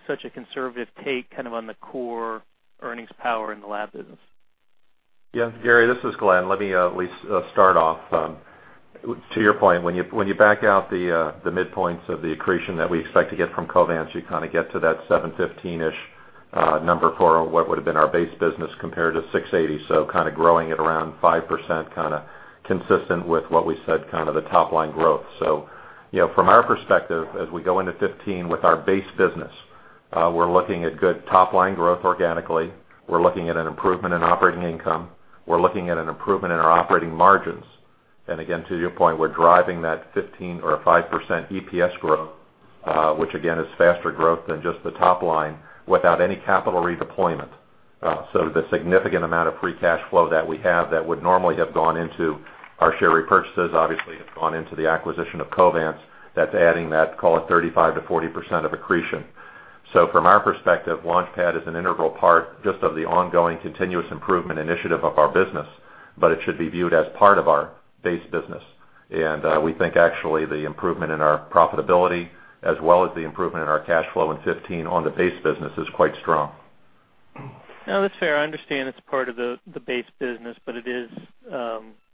such a conservative take kind of on the core earnings power in the lab business? Yeah. Gary, this is Glenn. Let me at least start off. To your point, when you back out the midpoints of the accretion that we expect to get from Covance, you kind of get to that $7.15-ish number for what would have been our base business compared to $6.80. Kind of growing it around 5%, kind of consistent with what we said, kind of the top-line growth. From our perspective, as we go into 2015 with our base business, we're looking at good top-line growth organically. We're looking at an improvement in operating income. We're looking at an improvement in our operating margins. Again, to your point, we're driving that 15% or 5% EPS growth, which again is faster growth than just the top line without any capital redeployment. The significant amount of free cash flow that we have that would normally have gone into our share repurchases obviously has gone into the acquisition of Covance. That is adding that, call it, 35%-40% of accretion. From our perspective, LaunchPad is an integral part just of the ongoing continuous improvement initiative of our business, but it should be viewed as part of our base business. We think actually the improvement in our profitability as well as the improvement in our cash flow in 2015 on the base business is quite strong. No, that's fair. I understand it's part of the base business, but it is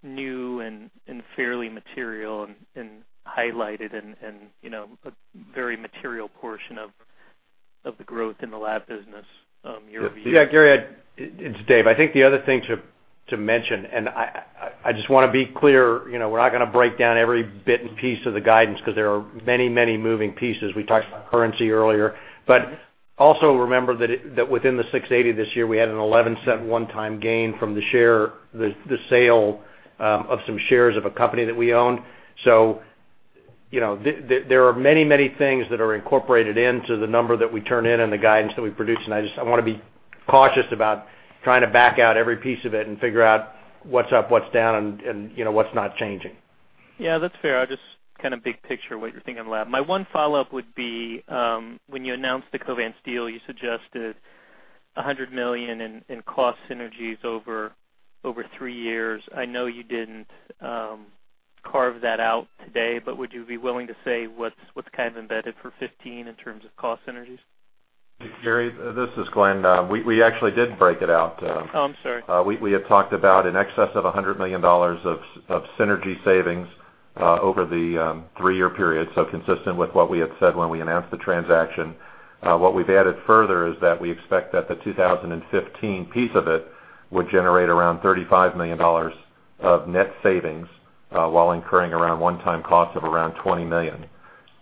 new and fairly material and highlighted and a very material portion of the growth in the lab business. Your view. Yeah. Gary, it's Dave. I think the other thing to mention, and I just want to be clear, we're not going to break down every bit and piece of the guidance because there are many, many moving pieces. We talked about currency earlier. Also remember that within the $6.80 this year, we had an $0.11 one-time gain from the sale of some shares of a company that we owned. There are many, many things that are incorporated into the number that we turn in and the guidance that we produce. I just want to be cautious about trying to back out every piece of it and figure out what's up, what's down, and what's not changing. Yeah, that's fair. I just kind of big picture what you're thinking of the lab. My one follow-up would be when you announced the Covance deal, you suggested $100 million in cost synergies over three years. I know you didn't carve that out today, but would you be willing to say what's kind of embedded for 2015 in terms of cost synergies? Gary, this is Glenn. We actually did break it out. Oh, I'm sorry. We had talked about an excess of $100 million of synergy savings over the three-year period, so consistent with what we had said when we announced the transaction. What we have added further is that we expect that the 2015 piece of it would generate around $35 million of net savings while incurring around one-time costs of around $20 million.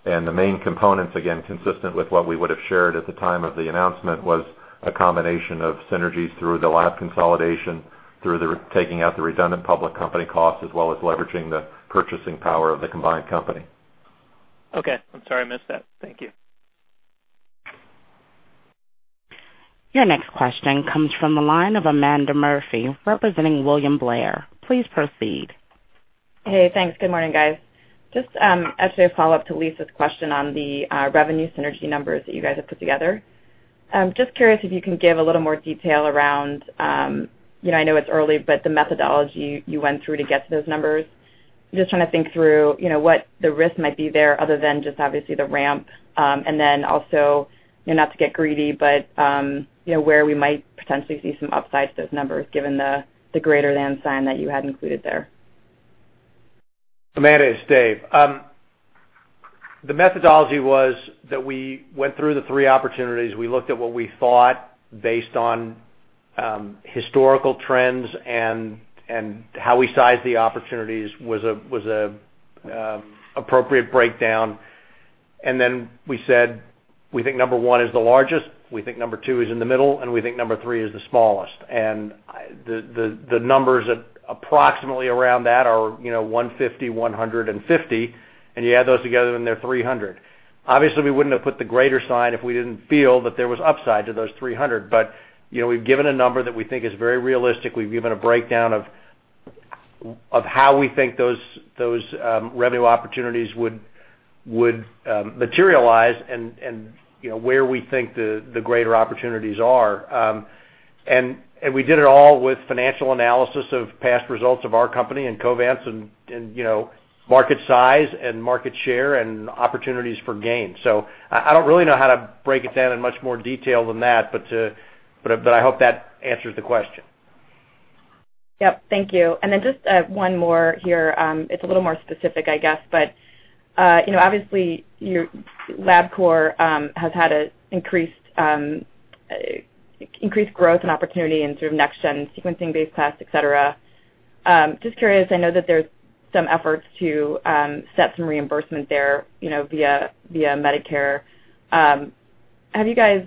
The main components, again, consistent with what we would have shared at the time of the announcement, was a combination of synergies through the lab consolidation, through taking out the redundant public company costs, as well as leveraging the purchasing power of the combined company. Okay. I'm sorry I missed that. Thank you. Your next question comes from the line of Amanda Murphy representing William Blair. Please proceed. Hey, thanks. Good morning, guys. Just actually a follow-up to Lisa's question on the revenue synergy numbers that you guys have put together. Just curious if you can give a little more detail around, I know it's early, but the methodology you went through to get to those numbers. Just trying to think through what the risk might be there other than just obviously the ramp. Also, not to get greedy, but where we might potentially see some upside to those numbers given the greater than sign that you had included there. Amanda, it's Dave. The methodology was that we went through the three opportunities. We looked at what we thought based on historical trends and how we sized the opportunities was an appropriate breakdown. We said, "We think number one is the largest. We think number two is in the middle, and we think number three is the smallest." The numbers approximately around that are $150 million, $150 million, and you add those together and they're $300 million. Obviously, we wouldn't have put the greater sign if we didn't feel that there was upside to those $300 million. We've given a number that we think is very realistic. We've given a breakdown of how we think those revenue opportunities would materialize and where we think the greater opportunities are. We did it all with financial analysis of past results of our company and Covance's and market size and market share and opportunities for gain. I do not really know how to break it down in much more detail than that, but I hope that answers the question. Yep. Thank you. And then just one more here. It's a little more specific, I guess, but obviously, LabCorp has had an increased growth and opportunity in sort of next-gen sequencing-based tests, etc. Just curious. I know that there's some efforts to set some reimbursement there via Medicare. Have you guys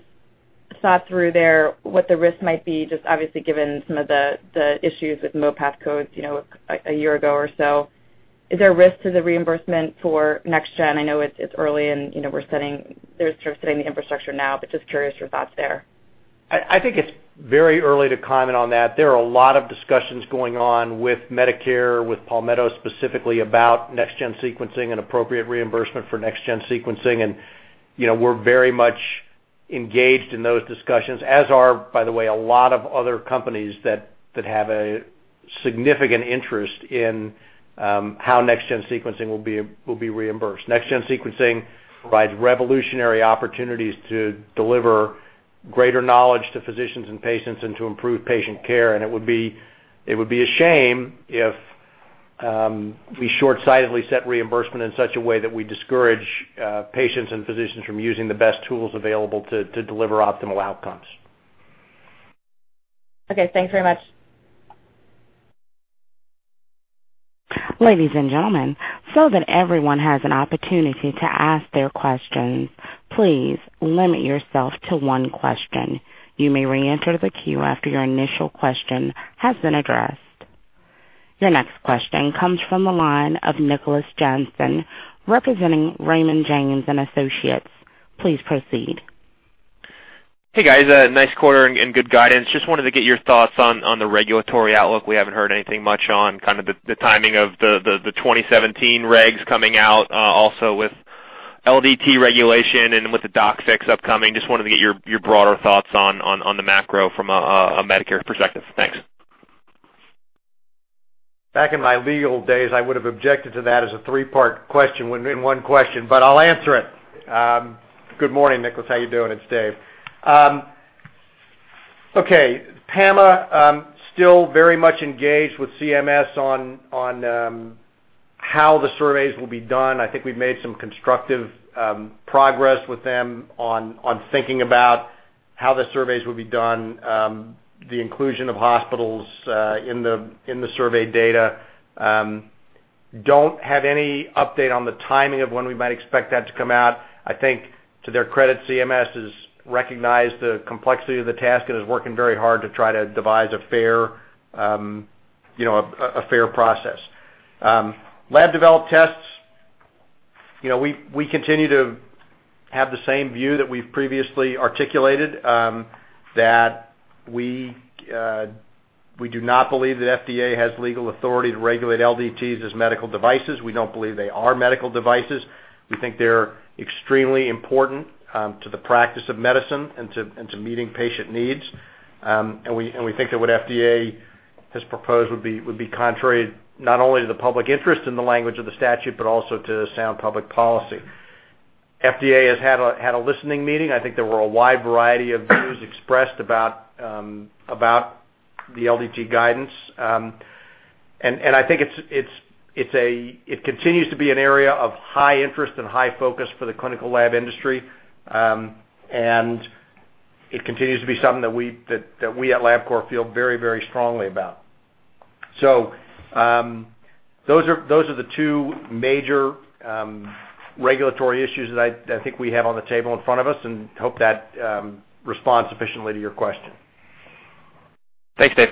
thought through there what the risk might be, just obviously given some of the issues with MoPath codes a year ago or so? Is there a risk to the reimbursement for next-gen? I know it's early and we're sort of setting the infrastructure now, but just curious your thoughts there. I think it's very early to comment on that. There are a lot of discussions going on with Medicare, with Palmetto specifically about next-gen sequencing and appropriate reimbursement for next-gen sequencing. We're very much engaged in those discussions, as are, by the way, a lot of other companies that have a significant interest in how next-gen sequencing will be reimbursed. Next-gen sequencing provides revolutionary opportunities to deliver greater knowledge to physicians and patients and to improve patient care. It would be a shame if we shortsightedly set reimbursement in such a way that we discourage patients and physicians from using the best tools available to deliver optimal outcomes. Okay. Thanks very much. Ladies and gentlemen, so that everyone has an opportunity to ask their questions, please limit yourself to one question. You may re-enter the queue after your initial question has been addressed. Your next question comes from the line of Nicholas Jansen, representing Raymond James & Associates. Please proceed. Hey, guys. Nice quarter and good guidance. Just wanted to get your thoughts on the regulatory outlook. We haven't heard anything much on kind of the timing of the 2017 regs coming out, also with LDT regulation and with the doc fix upcoming. Just wanted to get your broader thoughts on the macro from a Medicare perspective. Thanks. Back in my legal days, I would have objected to that as a three-part question in one question, but I'll answer it. Good morning, Nick. How are you doing? It's Dave. Okay. PAMA, still very much engaged with CMS on how the surveys will be done. I think we've made some constructive progress with them on thinking about how the surveys will be done, the inclusion of hospitals in the survey data. Don't have any update on the timing of when we might expect that to come out. I think to their credit, CMS has recognized the complexity of the task and is working very hard to try to devise a fair process. Lab-developed tests, we continue to have the same view that we've previously articulated, that we do not believe that FDA has legal authority to regulate LDTs as medical devices. We don't believe they are medical devices. We think they're extremely important to the practice of medicine and to meeting patient needs. We think that what FDA has proposed would be contrary not only to the public interest in the language of the statute, but also to sound public policy. FDA has had a listening meeting. I think there were a wide variety of views expressed about the LDT guidance. I think it continues to be an area of high interest and high focus for the clinical lab industry. It continues to be something that we at LabCorp feel very, very strongly about. Those are the two major regulatory issues that I think we have on the table in front of us and hope that responds sufficiently to your question. Thanks, Dave.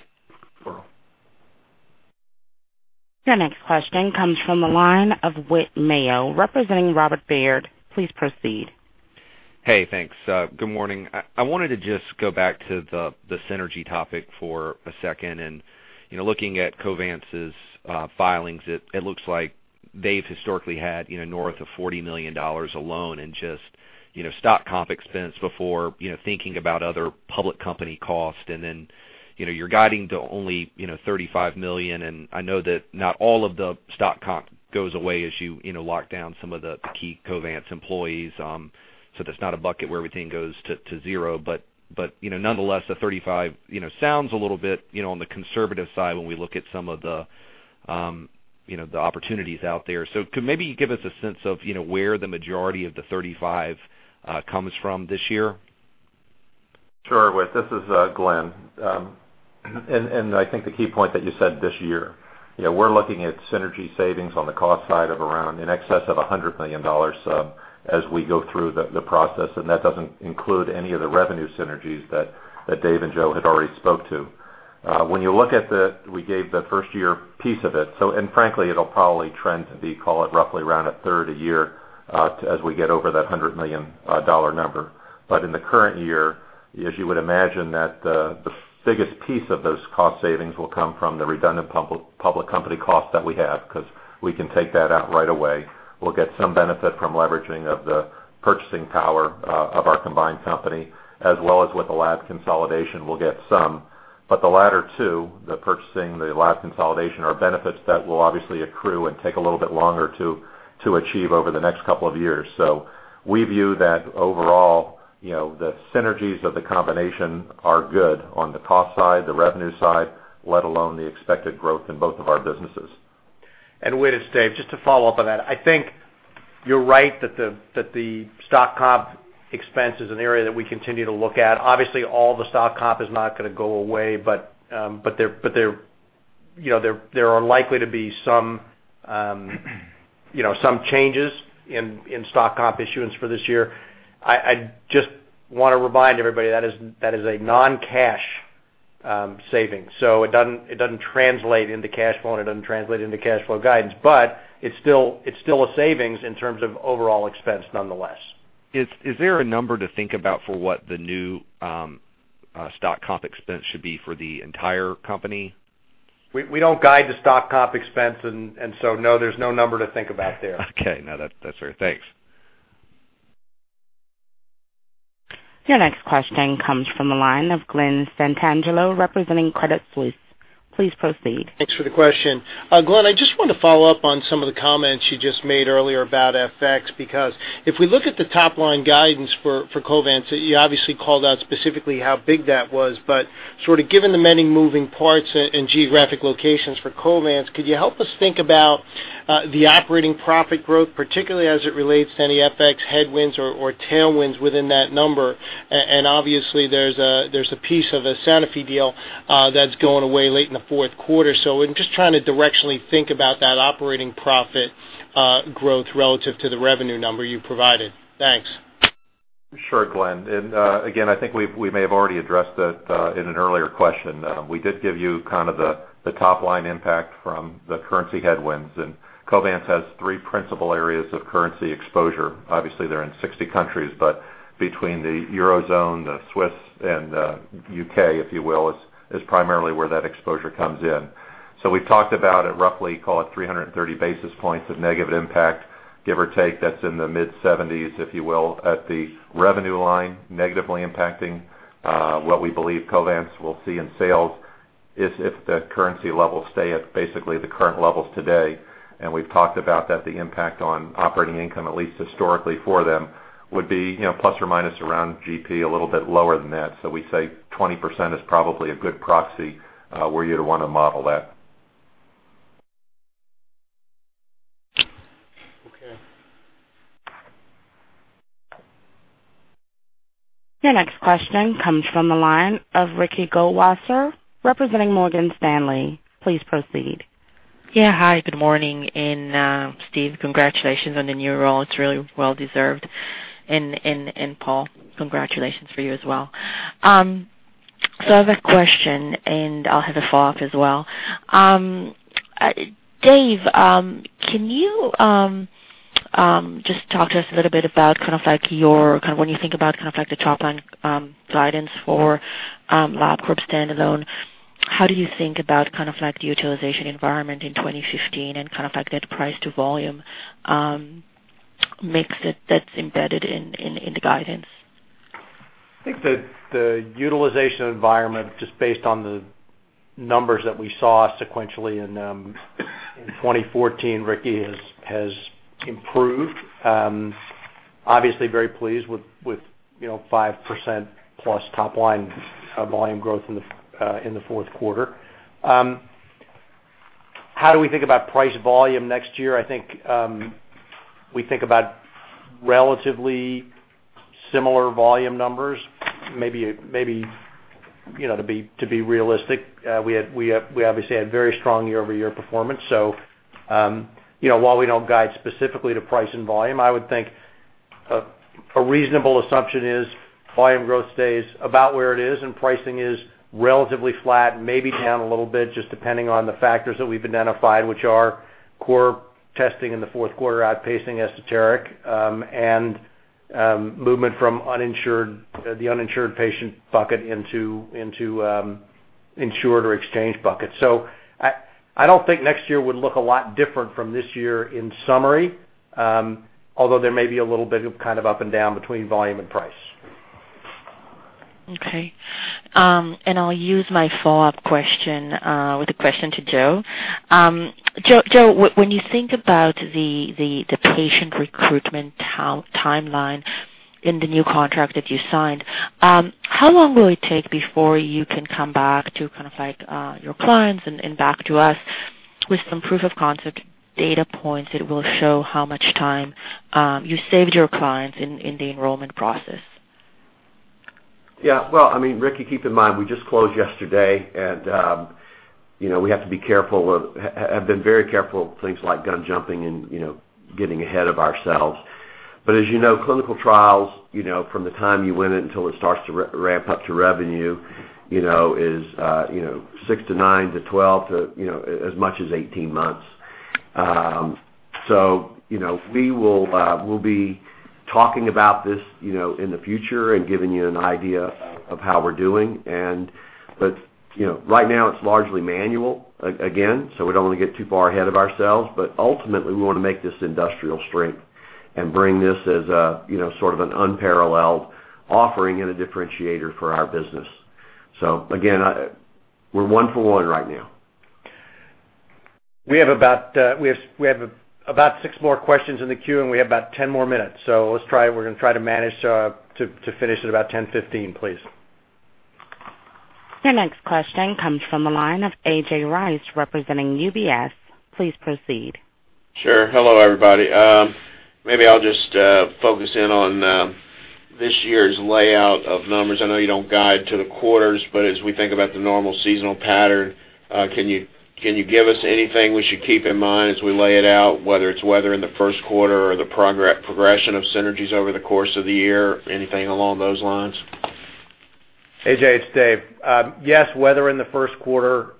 Your next question comes from the line of Whit Mayo, representing Robert Baird. Please proceed. Hey, thanks. Good morning. I wanted to just go back to the synergy topic for a second. Looking at Covance's filings, it looks like they've historically had north of $40 million alone in just stock comp expense before thinking about other public company costs. You're guiding to only $35 million. I know that not all of the stock comp goes away as you lock down some of the key Covance employees. That's not a bucket where everything goes to zero. Nonetheless, the $35 million sounds a little bit on the conservative side when we look at some of the opportunities out there. Could you maybe give us a sense of where the majority of the $35 million comes from this year? Sure. This is Glenn. I think the key point that you said this year, we're looking at synergy savings on the cost side of around in excess of $100 million as we go through the process. That does not include any of the revenue synergies that Dave and Joe had already spoke to. When you look at the we gave the first-year piece of it. Frankly, it'll probably trend to be, call it roughly around a third a year as we get over that $100 million number. In the current year, as you would imagine, the biggest piece of those cost savings will come from the redundant public company costs that we have because we can take that out right away. We'll get some benefit from leveraging the purchasing power of our combined company, as well as with the lab consolidation, we'll get some. The latter two, the purchasing, the lab consolidation, are benefits that will obviously accrue and take a little bit longer to achieve over the next couple of years. We view that overall, the synergies of the combination are good on the cost side, the revenue side, let alone the expected growth in both of our businesses. Whit, it's Dave, just to follow up on that, I think you're right that the stock comp expense is an area that we continue to look at. Obviously, all the stock comp is not going to go away, but there are likely to be some changes in stock comp issuance for this year. I just want to remind everybody that is a non-cash saving. It does not translate into cash flow and it does not translate into cash flow guidance, but it is still a savings in terms of overall expense nonetheless. Is there a number to think about for what the new stock comp expense should be for the entire company? We don't guide the stock comp expense. And so no, there's no number to think about there. Okay. No, that's fair. Thanks. Your next question comes from the line of Glen Santangelo, representing Credit Suisse. Please proceed. Thanks for the question. Glenn, I just want to follow up on some of the comments you just made earlier about FX because if we look at the top-line guidance for Covance, you obviously called out specifically how big that was. But sort of given the many moving parts and geographic locations for Covance, could you help us think about the operating profit growth, particularly as it relates to any FX headwinds or tailwinds within that number? Obviously, there's a piece of a Sanofi deal that's going away late in the fourth quarter. I'm just trying to directionally think about that operating profit growth relative to the revenue number you provided. Thanks. Sure, Glenn. I think we may have already addressed it in an earlier question. We did give you kind of the top-line impact from the currency headwinds. Covance has three principal areas of currency exposure. Obviously, they're in 60 countries, but between the Eurozone, the Swiss, and the U.K., if you will, is primarily where that exposure comes in. We have talked about it roughly, call it 330 basis points of negative impact, give or take. That is in the mid-70s, if you will, at the revenue line negatively impacting what we believe Covance will see in sales if the currency levels stay at basically the current levels today. We have talked about that the impact on operating income, at least historically for them, would be plus or minus around GP, a little bit lower than that. We say 20% is probably a good proxy where you'd want to model that. Your next question comes from the line of Ricky Goldwasser, representing Morgan Stanley. Please proceed. Yeah. Hi. Good morning. Steve, congratulations on the new role. It's really well-deserved. Paul, congratulations for you as well. I have a question, and I'll have a follow-up as well. Dave, can you just talk to us a little bit about when you think about the top-line guidance for LabCorp standalone, how do you think about the utilization environment in 2015 and that price-to-volume mix that's embedded in the guidance? I think the utilization environment, just based on the numbers that we saw sequentially in 2014, Ricky, has improved. Obviously, very pleased with 5%+ top-line volume growth in the fourth quarter. How do we think about price volume next year? I think we think about relatively similar volume numbers, maybe to be realistic. We obviously had very strong year-over-year performance. While we do not guide specifically to price and volume, I would think a reasonable assumption is volume growth stays about where it is, and pricing is relatively flat, maybe down a little bit, just depending on the factors that we have identified, which are core testing in the fourth quarter outpacing esoteric, and movement from the uninsured patient bucket into insured or exchange buckets. I do not think next year would look a lot different from this year in summary, although there may be a little bit of kind of up and down between volume and price. Okay. I'll use my follow-up question with a question to Joe. Joe, when you think about the patient recruitment timeline in the new contract that you signed, how long will it take before you can come back to kind of your clients and back to us with some proof of concept data points that will show how much time you saved your clients in the enrollment process? Yeah. I mean, Ricky, keep in mind we just closed yesterday, and we have to be careful. I've been very careful with things like gun jumping and getting ahead of ourselves. As you know, clinical trials from the time you win it until it starts to ramp up to revenue is 6 months-9 months-12 months to as much as 18 months. We will be talking about this in the future and giving you an idea of how we're doing. Right now, it's largely manual again. We do not want to get too far ahead of ourselves. Ultimately, we want to make this industrial strength and bring this as sort of an unparalleled offering and a differentiator for our business. Again, we're one for one right now. We have about six more questions in the queue, and we have about 10 more minutes. Let's try it. We're going to try to manage to finish at about 10:15, please. Your next question comes from the line of A.J. Rice, representing UBS. Please proceed. Sure. Hello, everybody. Maybe I'll just focus in on this year's layout of numbers. I know you don't guide to the quarters, but as we think about the normal seasonal pattern, can you give us anything we should keep in mind as we lay it out, whether it's weather in the first quarter or the progression of synergies over the course of the year, anything along those lines? A.J., it's Dave. Yes, weather in the first quarter.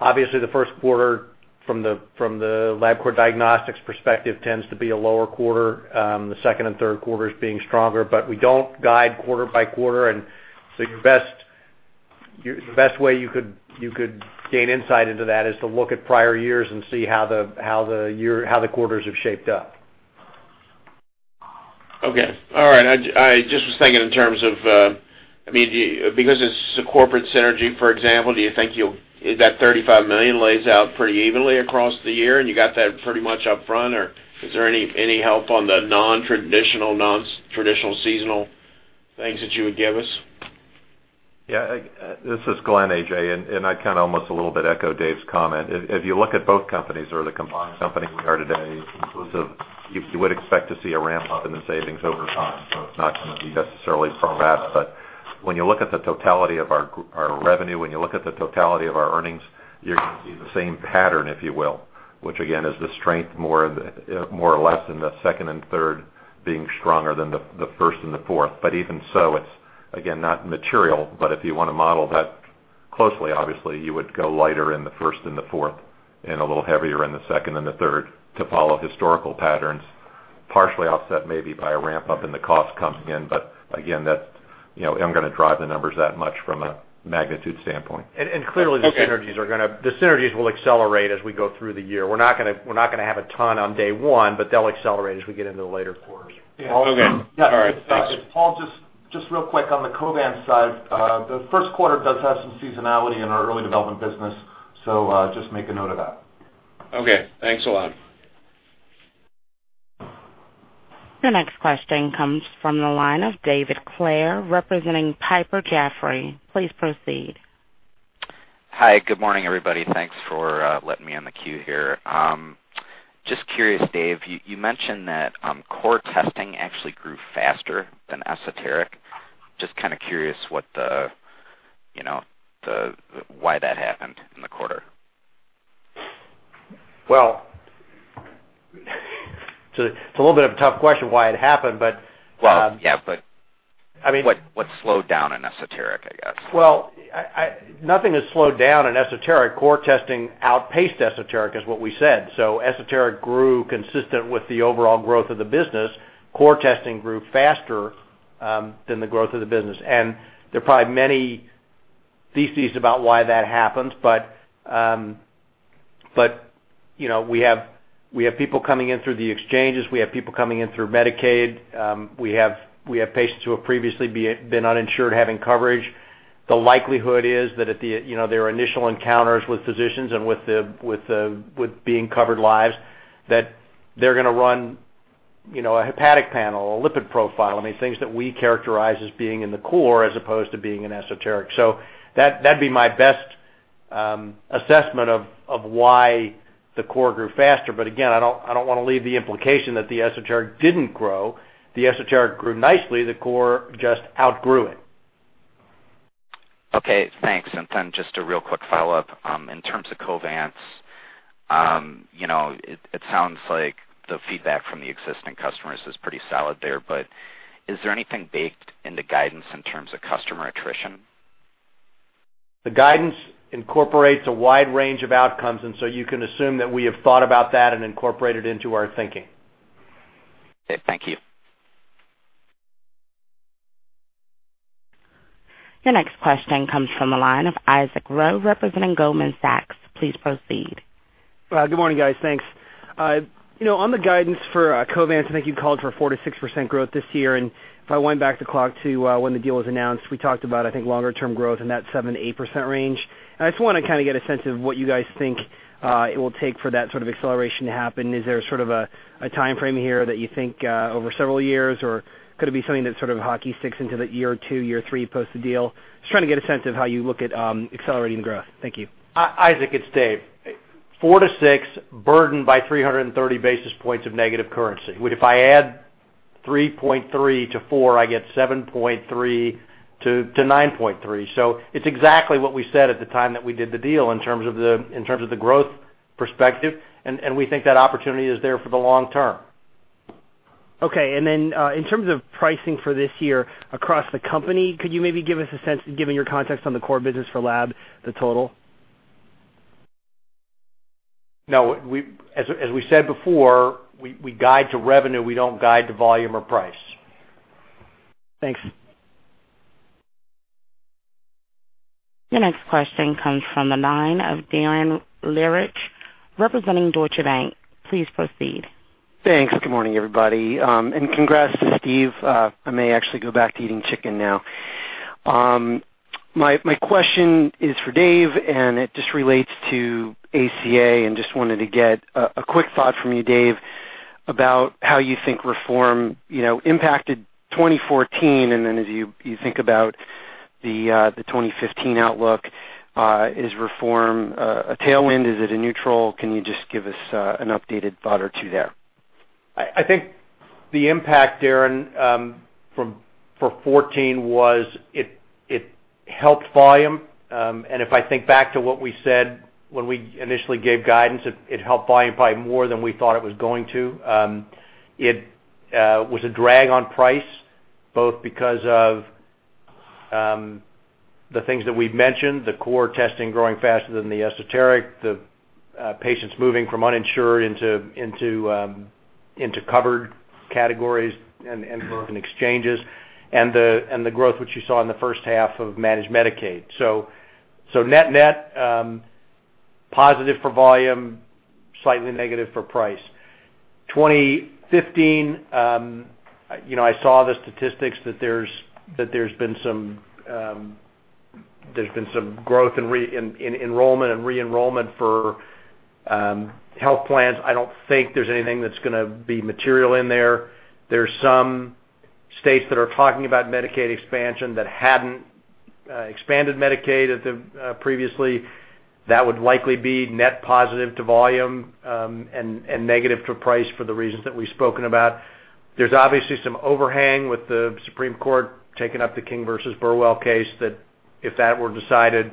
Obviously, the first quarter from the LabCorp Diagnostics perspective tends to be a lower quarter. The second and third quarters being stronger. We do not guide quarter by quarter. The best way you could gain insight into that is to look at prior years and see how the quarters have shaped up. Okay. All right. I just was thinking in terms of, I mean, because it's a corporate synergy, for example, do you think you'll, is that $35 million lays out pretty evenly across the year? And you got that pretty much upfront, or is there any help on the non-traditional, non-traditional seasonal things that you would give us? Yeah. This is Glenn, A.J., and I kind of almost a little bit echo Dave's comment. If you look at both companies or the combined company we are today, you would expect to see a ramp up in the savings over time. It is not going to be necessarily from that. When you look at the totality of our revenue, when you look at the totality of our earnings, you are going to see the same pattern, if you will, which again is the strength more or less in the second and third being stronger than the first and the fourth. Even so, it is again not material. If you want to model that closely, obviously, you would go lighter in the first and the fourth and a little heavier in the second and the third to follow historical patterns, partially offset maybe by a ramp up in the cost coming in. Again, I'm not going to drive the numbers that much from a magnitude standpoint. Clearly, the synergies will accelerate as we go through the year. We're not going to have a ton on day one, but they'll accelerate as we get into the later quarters. All right. Just real quick on the Covance side, the first quarter does have some seasonality in our early development business. So just make a note of that. Okay. Thanks a lot. Your next question comes from the line of David Clair, representing Piper Jaffray. Please proceed. Hi. Good morning, everybody. Thanks for letting me on the queue here. Just curious, Dave, you mentioned that core testing actually grew faster than esoteric. Just kind of curious why that happened in the quarter. It's a little bit of a tough question why it happened, but. Yeah, but what slowed down in esoteric, I guess? Nothing has slowed down in esoteric. Core testing outpaced esoteric is what we said. Esoteric grew consistent with the overall growth of the business. Core testing grew faster than the growth of the business. There are probably many theses about why that happens. We have people coming in through the exchanges. We have people coming in through Medicaid. We have patients who have previously been uninsured having coverage. The likelihood is that at their initial encounters with physicians and with being covered lives, that they're going to run a hepatic panel, a lipid profile, I mean, things that we characterize as being in the core as opposed to being in esoteric. That'd be my best assessment of why the core grew faster. I don't want to leave the implication that the esoteric didn't grow. The esoteric grew nicely. The core just outgrew it. Okay. Thanks. And then just a real quick follow-up. In terms of Covance, it sounds like the feedback from the existing customers is pretty solid there. Is there anything baked in the guidance in terms of customer attrition? The guidance incorporates a wide range of outcomes. You can assume that we have thought about that and incorporated into our thinking. Okay. Thank you. Your next question comes from the line of Isaac Ro, representing Goldman Sachs. Please proceed. Good morning, guys. Thanks. On the guidance for Covance, I think you'd called for 4%-6% growth this year. And if I went back the clock to when the deal was announced, we talked about, I think, longer-term growth in that 7%-8% range. And I just want to kind of get a sense of what you guys think it will take for that sort of acceleration to happen. Is there sort of a time frame here that you think over several years, or could it be something that sort of hockey sticks into the year two, year three post the deal? Just trying to get a sense of how you look at accelerating the growth. Thank you. Isaac, it's Dave. 4%-6%, burdened by 330 basis points of negative currency. If I add 3.3% to 4% I get 7.3%-9.3%. It is exactly what we said at the time that we did the deal in terms of the growth perspective. We think that opportunity is there for the long term. Okay. In terms of pricing for this year across the company, could you maybe give us a sense, given your context on the core business for LabCorp, the total? No. As we said before, we guide to revenue. We do not guide to volume or price. Thanks. Your next question comes from the line of Darren Lehrich, representing Deutsche Bank. Please proceed. Thanks. Good morning, everybody. And congrats to Steve. I may actually go back to eating chicken now. My question is for Dave, and it just relates to ACA and just wanted to get a quick thought from you, Dave, about how you think reform impacted 2014. And then as you think about the 2015 outlook, is reform a tailwind? Is it a neutral? Can you just give us an updated thought or two there? I think the impact, Darren, for 2014 was it helped volume. If I think back to what we said when we initially gave guidance, it helped volume probably more than we thought it was going to. It was a drag on price, both because of the things that we've mentioned, the core testing growing faster than the esoteric, the patients moving from uninsured into covered categories and exchanges, and the growth which you saw in the first half of managed Medicaid. Net-net, positive for volume, slightly negative for price. In 2015, I saw the statistics that there's been some growth in enrollment and re-enrollment for health plans. I do not think there's anything that's going to be material in there. There are some states that are talking about Medicaid expansion that had not expanded Medicaid previously. That would likely be net positive to volume and negative to price for the reasons that we've spoken about. There is obviously some overhang with the Supreme Court taking up the King versus Burwell case that if that were decided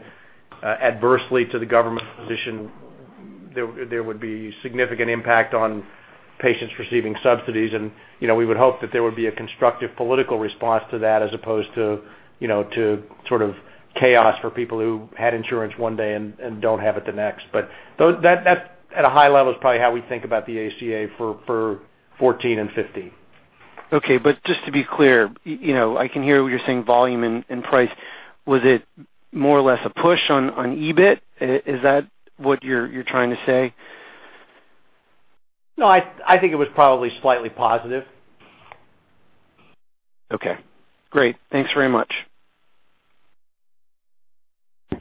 adversely to the government's position, there would be significant impact on patients receiving subsidies. We would hope that there would be a constructive political response to that as opposed to sort of chaos for people who had insurance one day and do not have it the next. At a high level, it is probably how we think about the ACA for 2014 and 2015. Okay. Just to be clear, I can hear what you're saying, volume and price. Was it more or less a push on EBIT? Is that what you're trying to say? No. I think it was probably slightly positive. Okay. Great. Thanks very much.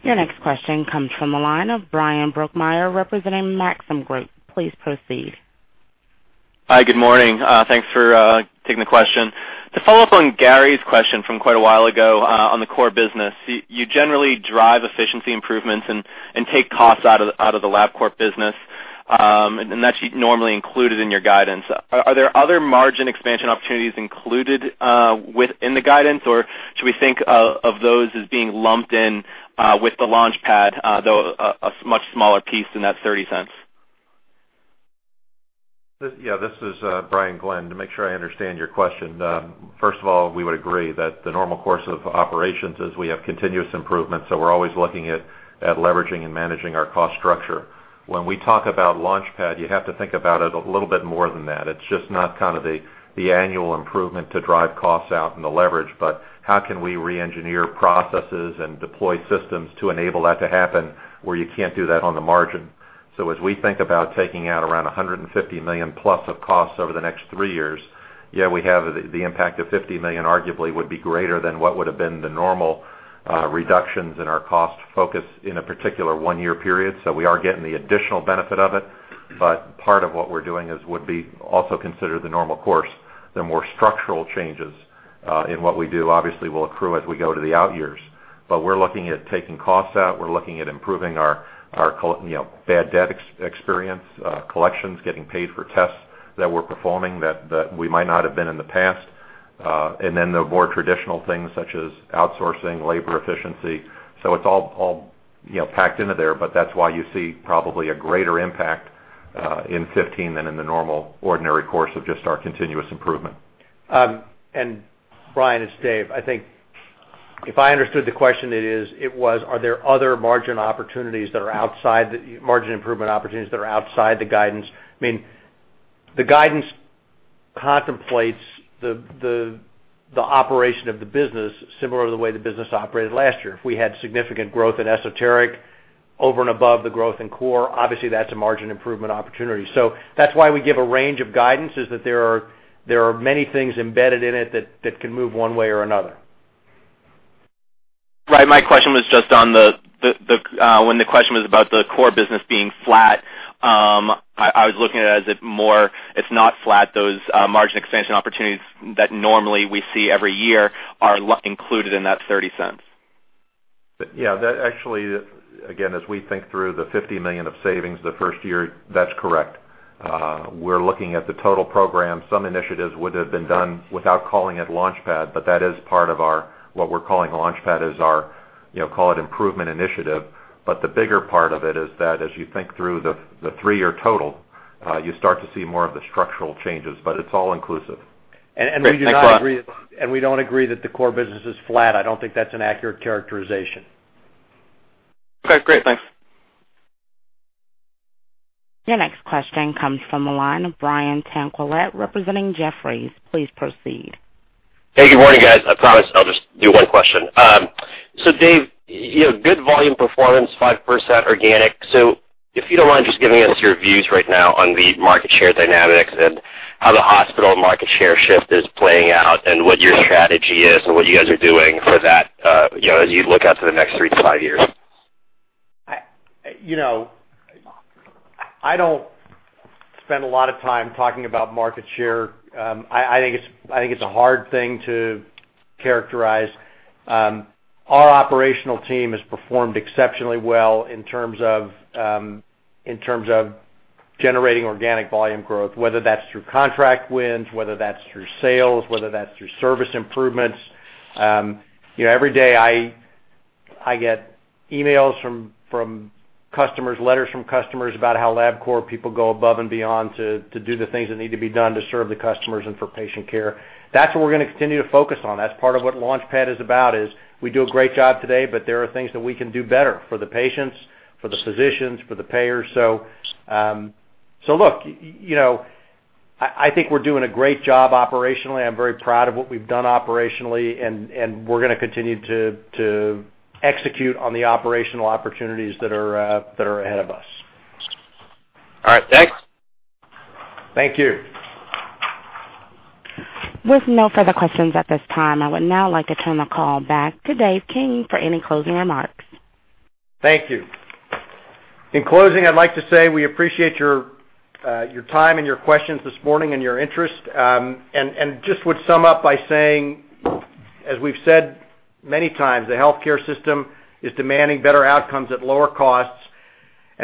Your next question comes from the line of Bryan Brokmeier, representing Maxim Group. Please proceed. Hi. Good morning. Thanks for taking the question. To follow up on Gary's question from quite a while ago on the core business, you generally drive efficiency improvements and take costs out of the LabCorp business, and that's normally included in your guidance. Are there other margin expansion opportunities included within the guidance, or should we think of those as being lumped in with the LaunchPad, though a much smaller piece than that $0.30? Yeah. This is Brian Glenn. To make sure I understand your question, first of all, we would agree that the normal course of operations is we have continuous improvements. So we're always looking at leveraging and managing our cost structure. When we talk about LaunchPad, you have to think about it a little bit more than that. It's just not kind of the annual improvement to drive costs out and the leverage, but how can we re-engineer processes and deploy systems to enable that to happen where you can't do that on the margin? As we think about taking out around $150 million plus of costs over the next three years, yeah, we have the impact of $50 million arguably would be greater than what would have been the normal reductions in our cost focus in a particular one-year period. We are getting the additional benefit of it. Part of what we're doing would be also considered the normal course. The more structural changes in what we do obviously will accrue as we go to the out years. We are looking at taking costs out. We are looking at improving our bad debt experience, collections, getting paid for tests that we are performing that we might not have been in the past, and then the more traditional things such as outsourcing, labor efficiency. It is all packed into there. That is why you see probably a greater impact in 2015 than in the normal ordinary course of just our continuous improvement. Brian, it's Dave. I think if I understood the question, it was, are there other margin opportunities that are outside the margin improvement opportunities that are outside the guidance? I mean, the guidance contemplates the operation of the business similar to the way the business operated last year. If we had significant growth in esoteric over and above the growth in core, obviously that's a margin improvement opportunity. That's why we give a range of guidance is that there are many things embedded in it that can move one way or another. Right. My question was just on the when the question was about the core business being flat, I was looking at it as it's not flat. Those margin expansion opportunities that normally we see every year are included in that $0.30. Yeah. Actually, again, as we think through the $50 million of savings the first year, that's correct. We're looking at the total program. Some initiatives would have been done without calling it LaunchPad, but that is part of what we're calling LaunchPad is our, call it, improvement initiative. The bigger part of it is that as you think through the three-year total, you start to see more of the structural changes. It's all inclusive. We do not agree that and we don't agree that the core business is flat. I don't think that's an accurate characterization. Okay. Great. Thanks. Your next question comes from the line of Brian Tanquilut, representing Jefferies. Please proceed. Hey. Good morning, guys. I promise I'll just do one question. Dave, good volume performance, 5% organic. If you don't mind just giving us your views right now on the market share dynamics and how the hospital market share shift is playing out and what your strategy is and what you guys are doing for that as you look out to the next three-five years. I don't spend a lot of time talking about market share. I think it's a hard thing to characterize. Our operational team has performed exceptionally well in terms of generating organic volume growth, whether that's through contract wins, whether that's through sales, whether that's through service improvements. Every day I get emails from customers, letters from customers about how LabCorp people go above and beyond to do the things that need to be done to serve the customers and for patient care. That's what we're going to continue to focus on. That's part of what LaunchPad is about is we do a great job today, but there are things that we can do better for the patients, for the physicians, for the payers. I think we're doing a great job operationally. I'm very proud of what we've done operationally, and we're going to continue to execute on the operational opportunities that are ahead of us. All right. Thanks. Thank you. With no further questions at this time, I would now like to turn the call back to Dave King for any closing remarks. Thank you. In closing, I'd like to say we appreciate your time and your questions this morning and your interest. I just would sum up by saying, as we've said many times, the healthcare system is demanding better outcomes at lower costs.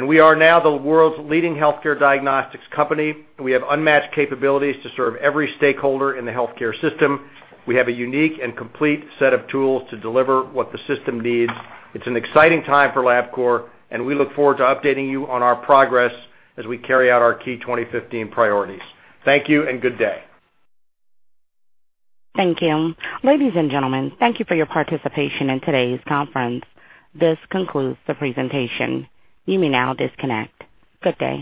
We are now the world's leading healthcare diagnostics company. We have unmatched capabilities to serve every stakeholder in the healthcare system. We have a unique and complete set of tools to deliver what the system needs. It's an exciting time for LabCorp, and we look forward to updating you on our progress as we carry out our key 2015 priorities. Thank you and good day. Thank you. Ladies and gentlemen, thank you for your participation in today's conference. This concludes the presentation. You may now disconnect. Good day.